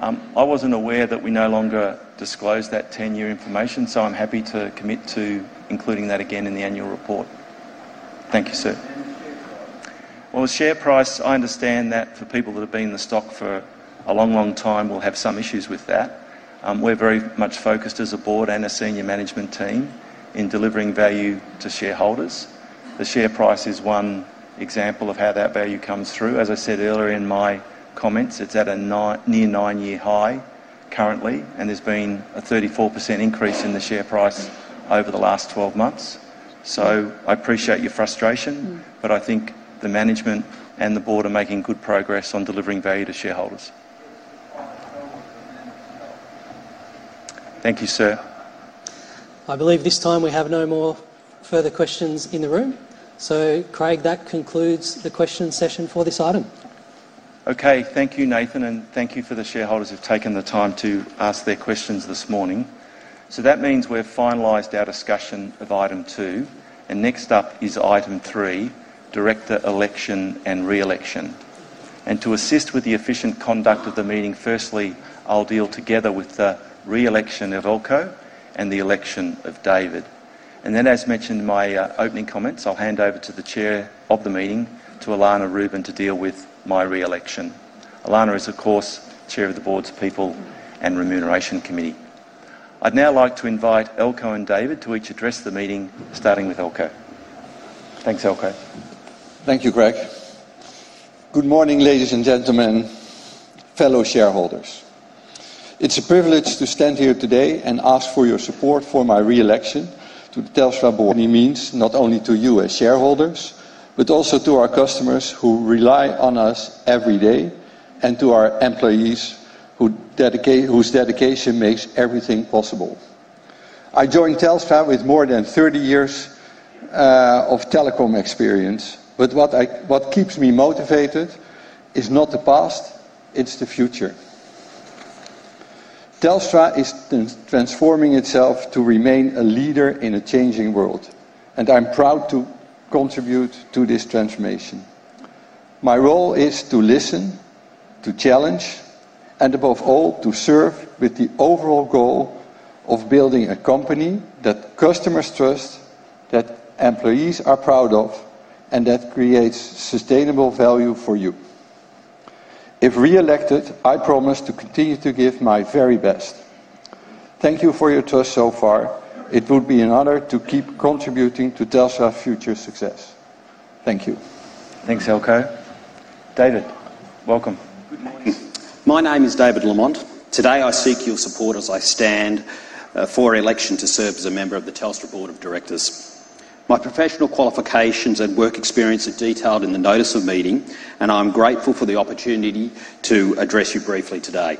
I wasn't aware that we no longer disclose that 10-year information. I'm happy to commit to including that again in the annual report. Thank you, sir. The share price, I understand that for people that have been in the stock for a long, long time, will have some issues with that. We're very much focused as a Board and a senior management team in delivering value to shareholders. The share price is one example of how that value comes through. As I said earlier in my comments, it's at a near nine-year high currently, and there's been a 34% increase in the share price over the last 12 months. I appreciate your frustration, but I think the management and the Board are making good progress on delivering value to shareholders. Thank you, sir. I believe this time we have no further questions in the room. Craig, that concludes the question session for this item. Thank you, Nathan, and thank you to the shareholders who have taken the time to ask their questions this morning. That means we've finalized our discussion of item two. Next up is item three, Director election and re-election. To assist with the efficient conduct of the meeting, firstly, I'll deal together with the re-election of Elko and the election of David. As mentioned in my opening comments, I'll hand over to the Chair of the meeting, Elana Rubin, to deal with my re-election. Elana is, of course, Chair of the Board's People and Remuneration Committee. I'd now like to invite Elko and David to each address the meeting, starting with Elko. Thanks, Elko. Thank you, Craig. Good morning, ladies and gentlemen, fellow shareholders. It's a privilege to stand here today. I ask for your support. For my re-election to the Telstra Board means not only to you as shareholders, but also to our customers who rely on us every day. Our employees, whose dedication makes everything possible. I joined Telstra with more than 30. Years of telecom experience. What keeps me motivated is not the past, it's the future. Telstra is transforming itself to remain. A leader in a changing world. I'm proud to contribute to this transformation. My role is to listen, to challenge. Above all, to serve with the overall goal of building a company that customers trust, that employees are proud of. That creates sustainable value for you. If re-elected, I promise to continue to give my very best. Thank you for your trust so far. It would be an honor to keep contributing to Telstra's future success. Thank you. Thanks, Elko. David, welcome. My name is David Lamont. Today I seek your support as I stand for election to serve as a member of the Telstra Board of Directors. My professional qualifications and work experience are detailed in the notice of meeting, and I am grateful for the opportunity to address you briefly today.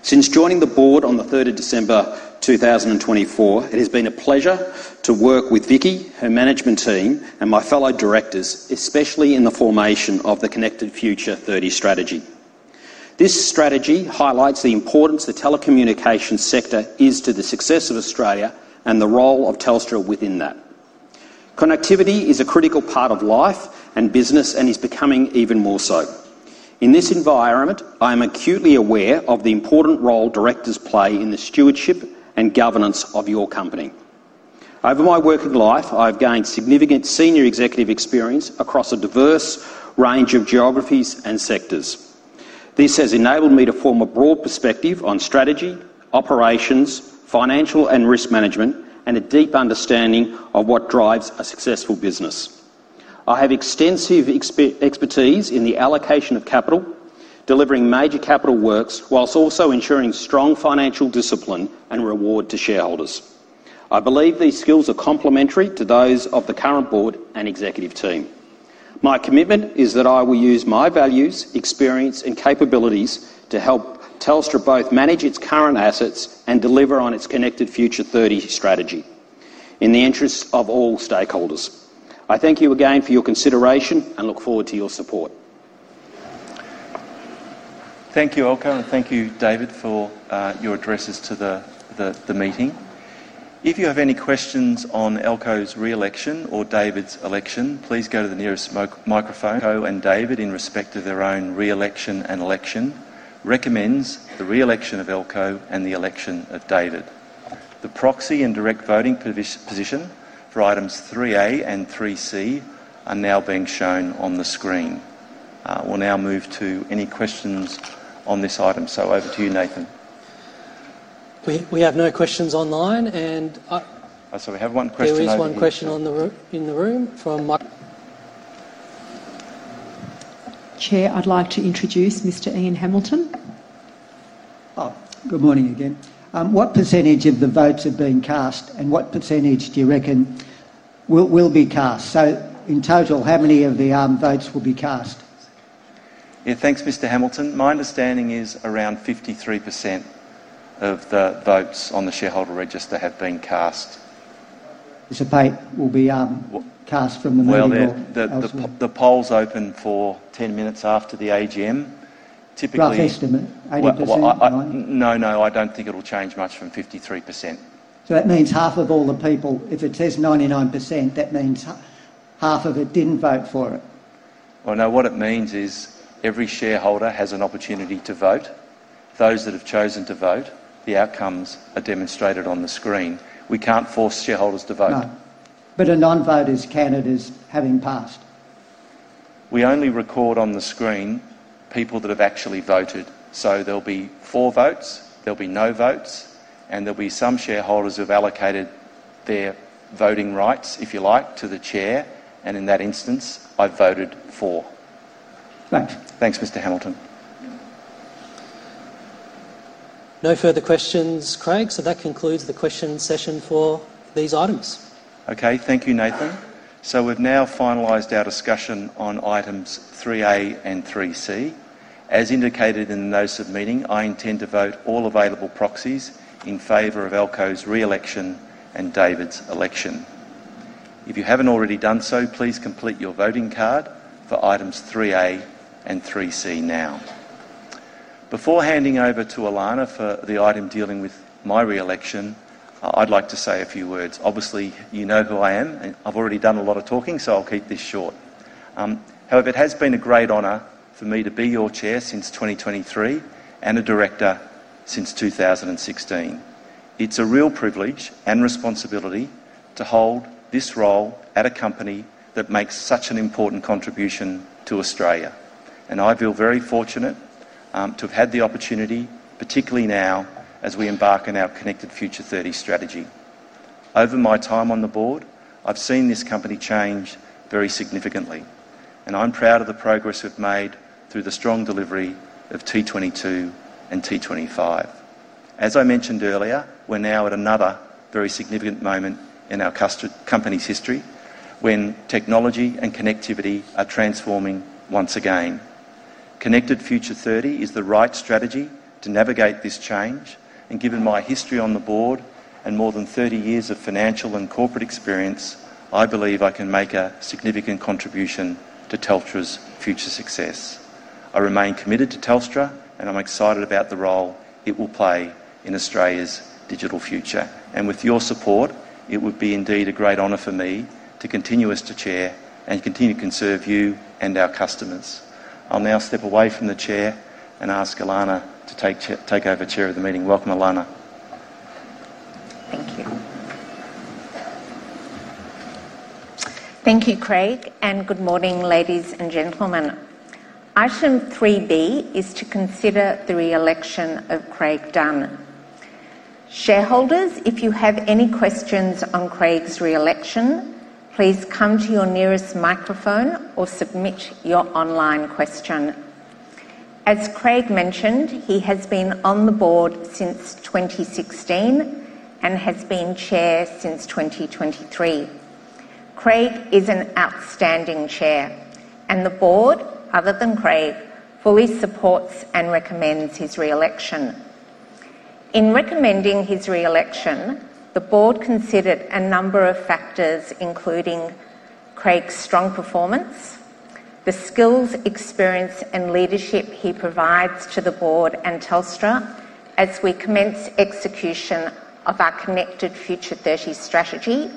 Since joining the board on December 3, 2024, it has been a pleasure to work with Vicki, her management team, and my fellow directors, especially in the formation of the Connected Future 30 strategy. This strategy highlights the importance the telecommunications sector is to the success of Australia. The role of Telstra within that connectivity is a critical part of life and business and is becoming even more so in this environment. I am acutely aware of the important role directors play in the stewardship and governance of your company. Over my working life, I have gained significant senior executive experience across a diverse range of geographies and sectors. This has enabled me to form a broad perspective on strategy, operations, financial and risk management, and a deep understanding of what drives a successful business. I have extensive expertise in the allocation of capital, delivering major capital works whilst also ensuring strong financial discipline and reward to shareholders. I believe these skills are complementary to those of the current board and executive team. My commitment is that I will use my values, experience, and capabilities to help Telstra both manage its current assets and deliver its Connected Future 30 strategy in the interest of all stakeholders. I thank you again for your consideration and look forward to your support. Thank you, Elko, and thank you, David, for your addresses to the meeting. If you have any questions on Elko's re-election or David's election, please go to the nearest microphone. The board, in respect of their own re-election and election, recommends the re-election of Elko and the election of David. The proxy and direct voting position for items 3A and 3C are now being shown on the screen. We will now move to any questions on this item. Over to you, Nathan. We have no questions online. We have one question. There is one question in the room. Chair, I'd like to introduce Mr. Ian Hamilton. Good morning again. What % of the votes have been cast and what % do you reckon will be cast? In total, how many of the votes will be cast? Thanks, Mr. Hambleton. My understanding is around 53% of the votes on the shareholder register have been cast. Participate will be cast from the. The polls open for 10 minutes after the AGM typically. No, I don't think it'll change much from 53%. That means half of all the people. If it says 99%, that means half of it didn't vote for it. Now what it means is every shareholder has an opportunity to vote. Those that have chosen to vote, the outcomes are demonstrated on the screen. We can't force shareholders to vote. A non-vote is counted as having passed. We only record on the screen people that have actually voted. There'll be four votes, there'll be no votes, and there'll be some shareholders who have allocated their voting rights, if you like, to the Chair. In that instance, I voted for. Thanks. Thanks, Mr. Hambleton. No further questions, Craig. That concludes the question session for these items. Okay, thank you, Nathan. We've now finalized our discussion on items 3A and 3C. As indicated in the notice of meeting, I intend to vote all of item proxies in favor of Elko's re-election and David's election. If you haven't already done so, please complete your voting card for items 3A and 3C. Now, before handing over to Elana for the item dealing with my re-election, I'd like to say a few words. Obviously you know who I am and I've already done a lot of talking, so I'll keep this short. However, it has been a great honor for me to be your Chair since 2023 and a Director since 2016. It's a real privilege and responsibility to hold this role at a company that makes such an important contribution to Australia. I feel very fortunate to have had the opportunity, particularly now as we embark on our Connected Future 30 strategy. Over my time on the Board, I've seen this company change very significantly. I'm proud of the progress we've made through the strong delivery of T22 and T25. As I mentioned earlier, we're now at another very significant moment in our company's history when technology and connectivity are transforming once again. Connected Future 30 is the right strategy to navigate this change. Given my history on the Board and more than 30 years of financial and corporate experience, I believe I can make a significant contribution to Telstra's future success. I remain committed to Telstra and I'm excited about the role it will play in Australia's digital future. With your support, it would be indeed a great honor for me to continue as Chair and continue to serve you and our customers. I'll now step away from the Chair and ask Elana to take over Chair of the meeting. Welcome, Elana. Thank you. Thank you, Craig. Good morning, ladies and gentlemen. Item 3B is to consider the re-election of Craig Dunn. Shareholders, if you have any questions on Craig's re-election, please come to your nearest microphone or submit your online question. As Craig mentioned, he has been on the board since 2016 and has been Chair since 2023. Craig is an outstanding Chair and the board, other than Craig, fully supports and recommends his re-election. In recommending his re-election, the board considered a number of factors, including Craig's strong performance, the skills, experience, and leadership he provides to the board and Telstra as we commence execution of our Connected Future 30 strategy,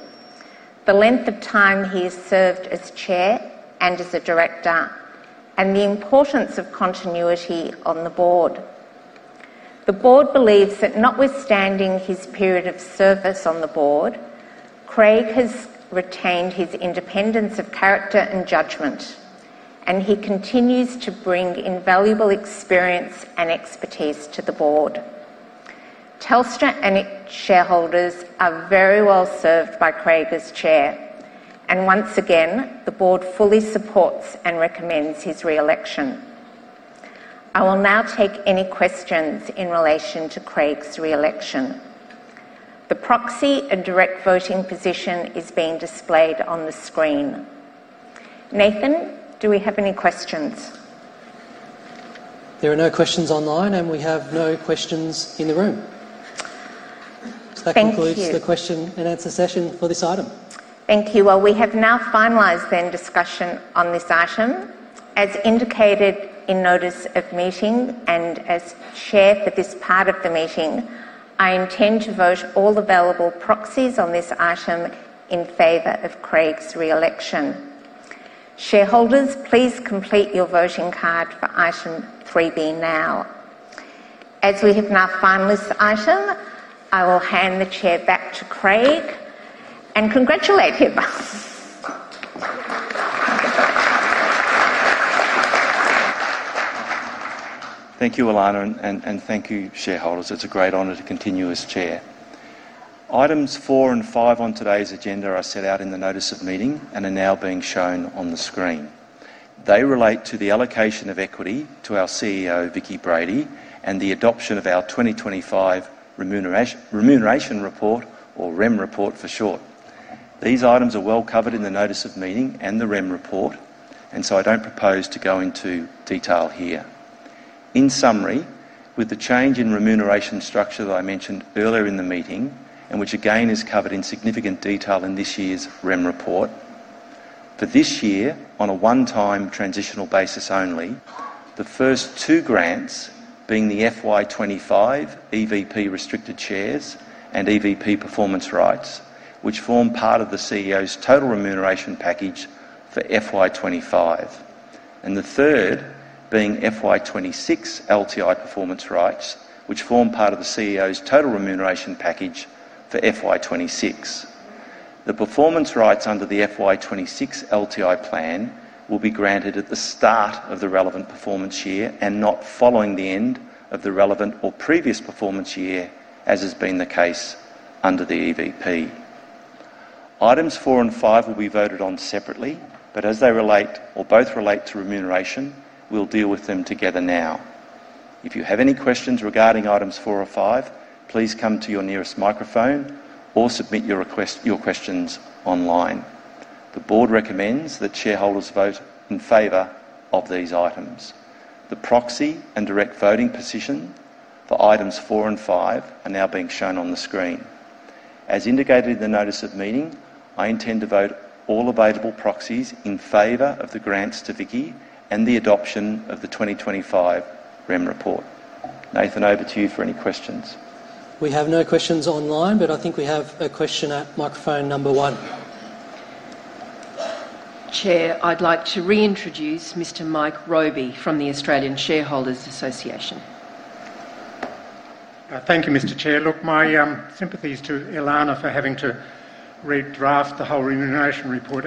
the length of time he has served as Chair and as a director, and the importance of continuity on the board. The board believes that notwithstanding his period of service on the board, Craig has retained his independence of character and judgment and he continues to bring invaluable experience and expertise to the board. Telstra and its shareholders are very well served by Craig as Chair and once again, the board fully supports and recommends his re-election. I will now take any questions in relation to Craig's re-election. The proxy and direct voting position is being displayed on the screen. Nathan, do we have any questions? There are no questions online, and we have no questions in the room. That concludes the question and answer session for this item. Thank you. We have now finalized the discussion on this item as indicated in the Notice of Meeting, and as Chair for this part of the meeting, I intend to vote all available proxies on this item in favor of Craig's re-election. Shareholders, please complete your voting card for item 3B. Now, as we have now finalized this item, I will hand the Chair back to Craig and congratulate him. Thank you, Elana, and thank you shareholders. It's a great honor to continue as Chair. Items 4 and 5 on today's agenda are set out in the Notice of Meeting and are now being shown on the screen. They relate to the allocation of equity to our CEO Vicki Brady, and the adoption of our 2025 remuneration report, or REM report for short. These items are well covered in the Notice of Meeting and the REM report, and I don't propose to go into detail here. In summary, with the change in remuneration structure that I mentioned earlier in the meeting and which again is covered in significant detail in this year's REM report, for this year on a one-time transitional basis only, the first two grants being the FY25 EVP restricted shares and EVP performance rights, which form part of the CEO's total remuneration package for FY25, and the third being FY26 LTI performance rights, which form part of the CEO's total remuneration package for FY26. The performance rights under the FY26 LTI plan will be granted at the start of the relevant performance year and not following the end of the relevant or previous performance year, as has been the case under the EVP. Items 4 and 5 will be voted on separately, but as they both relate to remuneration, we'll deal with them together. If you have any questions regarding items 4 and 5, please come to your nearest microphone or submit your questions online. The Board recommends that shareholders vote in favor of these items. The proxy and direct voting position for items 4 and 5 are now being shown on the screen as indicated in the Notice of Meeting. I intend to vote all available proxies in favor of the grants to Vicki and the adoption of the 2025 REM report. Nathan, over to you for any questions. We have no questions online, but I think we have a question at microphone number one. Chair, I'd like to reintroduce Mr. Mike Roby from the Australian Shareholders Association. Thank you, Mr. Chair. Look, my sympathy is to Elana for having to redraft the whole remuneration report.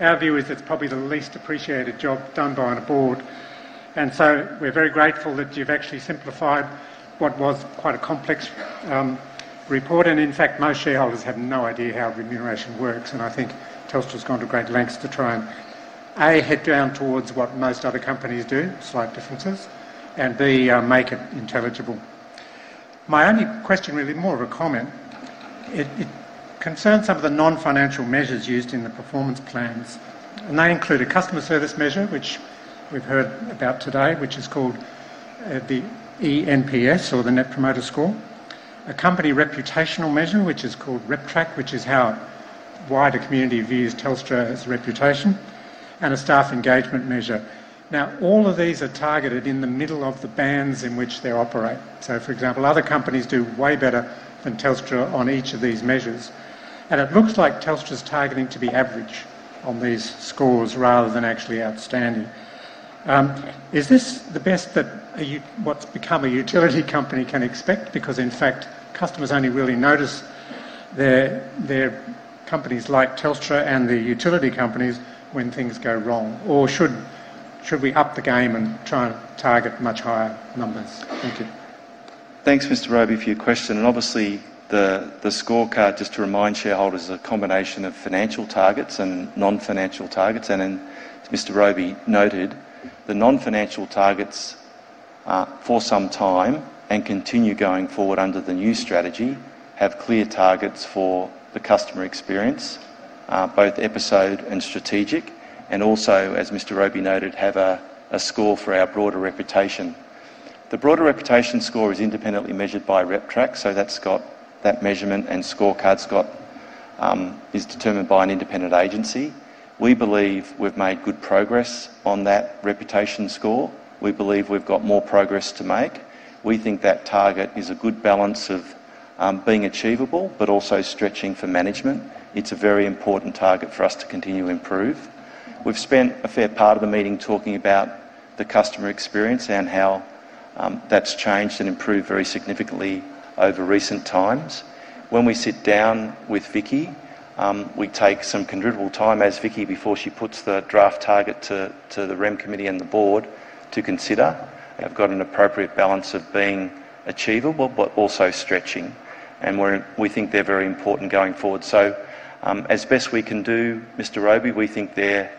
Our view is it's probably the least appreciated job done by a board, and we're very grateful that you've actually simplified what was quite a complex report. In fact, most shareholders have no idea how remuneration works, and I think Telstra has gone to great lengths to try and, A, head down towards what most other companies do, slight differences, and B, make it intelligible. My only question, really more of a comment, concerns some of the non-financial measures used in the performance plans, and they include a customer service measure, which we've heard about today, which is called the ENPS or the Net Promoter Score, a company reputational measure, which is called RepTrak, which is how the wider community views Telstra's reputation, and a staff engagement measure. Now, all of these are targeted in the middle of the bands in which they operate. For example, other companies do way better than Telstra on each of these measures, and it looks like Telstra's targeting to be average on these scores rather than actually outstanding. Is this the best that what's become a utility company can expect? Because, in fact, customers only really notice their companies like Telstra and the utility companies when things go wrong, or should we up the game and try and target much higher numbers? Thank you. Thanks Mr. Roby, for your question. Obviously the scorecard, just to remind shareholders, is a combination of financial targets and non-financial targets, and as Mr. Roby noted, the non-financial targets for some time and continue going forward under the new strategy have clear targets for the customer experience, both episode and strategic, and also as Mr. Roby noted, have a score for our broader reputation. The broader reputation score is independently measured by RepTrak, so that measurement and scorecard, Scott, is determined by an independent agency. We believe we've made good progress on that reputation score. We believe we've got more progress to make. We think that target is a good balance of being achievable but also stretching for management. It's a very important target for us to continue to improve. We've spent a fair part of the meeting talking about the customer experience and how that's changed and improved very significantly over recent times. When we sit down with Vicki, we take some contributable time as Vicki before she puts the draft target to the REM committee and the board to consider. They've got an appropriate balance of being achievable but also stretching, and we think they're very important going forward. As best we can do, Mr. Roby, we think they're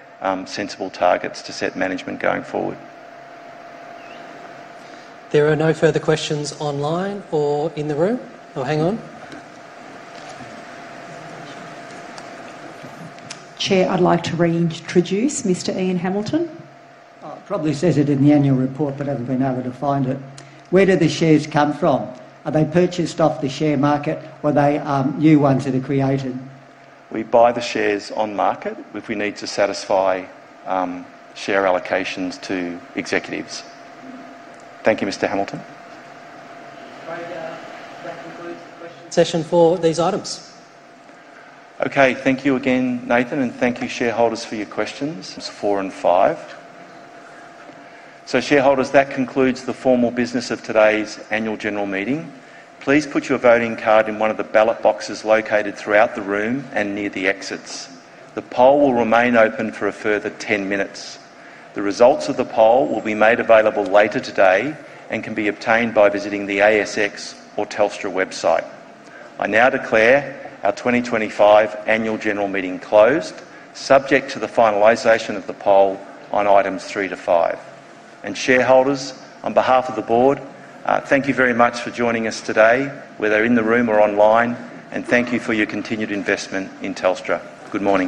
sensible targets to set management going forward. There are no further questions online or in the room. Hang on. Chair. I'd like to reintroduce Mr. Ian Hamilton. Probably says it in the annual report, but I haven't been able to find it. Where do the shares come from? Are they purchased off the share market, or are they new ones that are created? We buy the shares on market if we need to satisfy share allocations to executives. Thank you, Mr. Hambleton. Session for these items. Okay, thank you again, Nathan, and thank you shareholders for your questions 4 and 5. Shareholders, that concludes the formal business of today's Annual General Meeting. Please put your voting card in one of the ballot boxes located throughout the room and near the exits. The poll will remain open for a further 10 minutes. The results of the poll will be made available later today and can be obtained by visiting the ASX or Telstra website. I now declare our 2025 Annual General Meeting closed, subject to the finalization of the poll on items three to five. Shareholders, on behalf of the Board, thank you very much for joining us today, whether in the room or online. Thank you for your continued investment in Telstra. Good morning.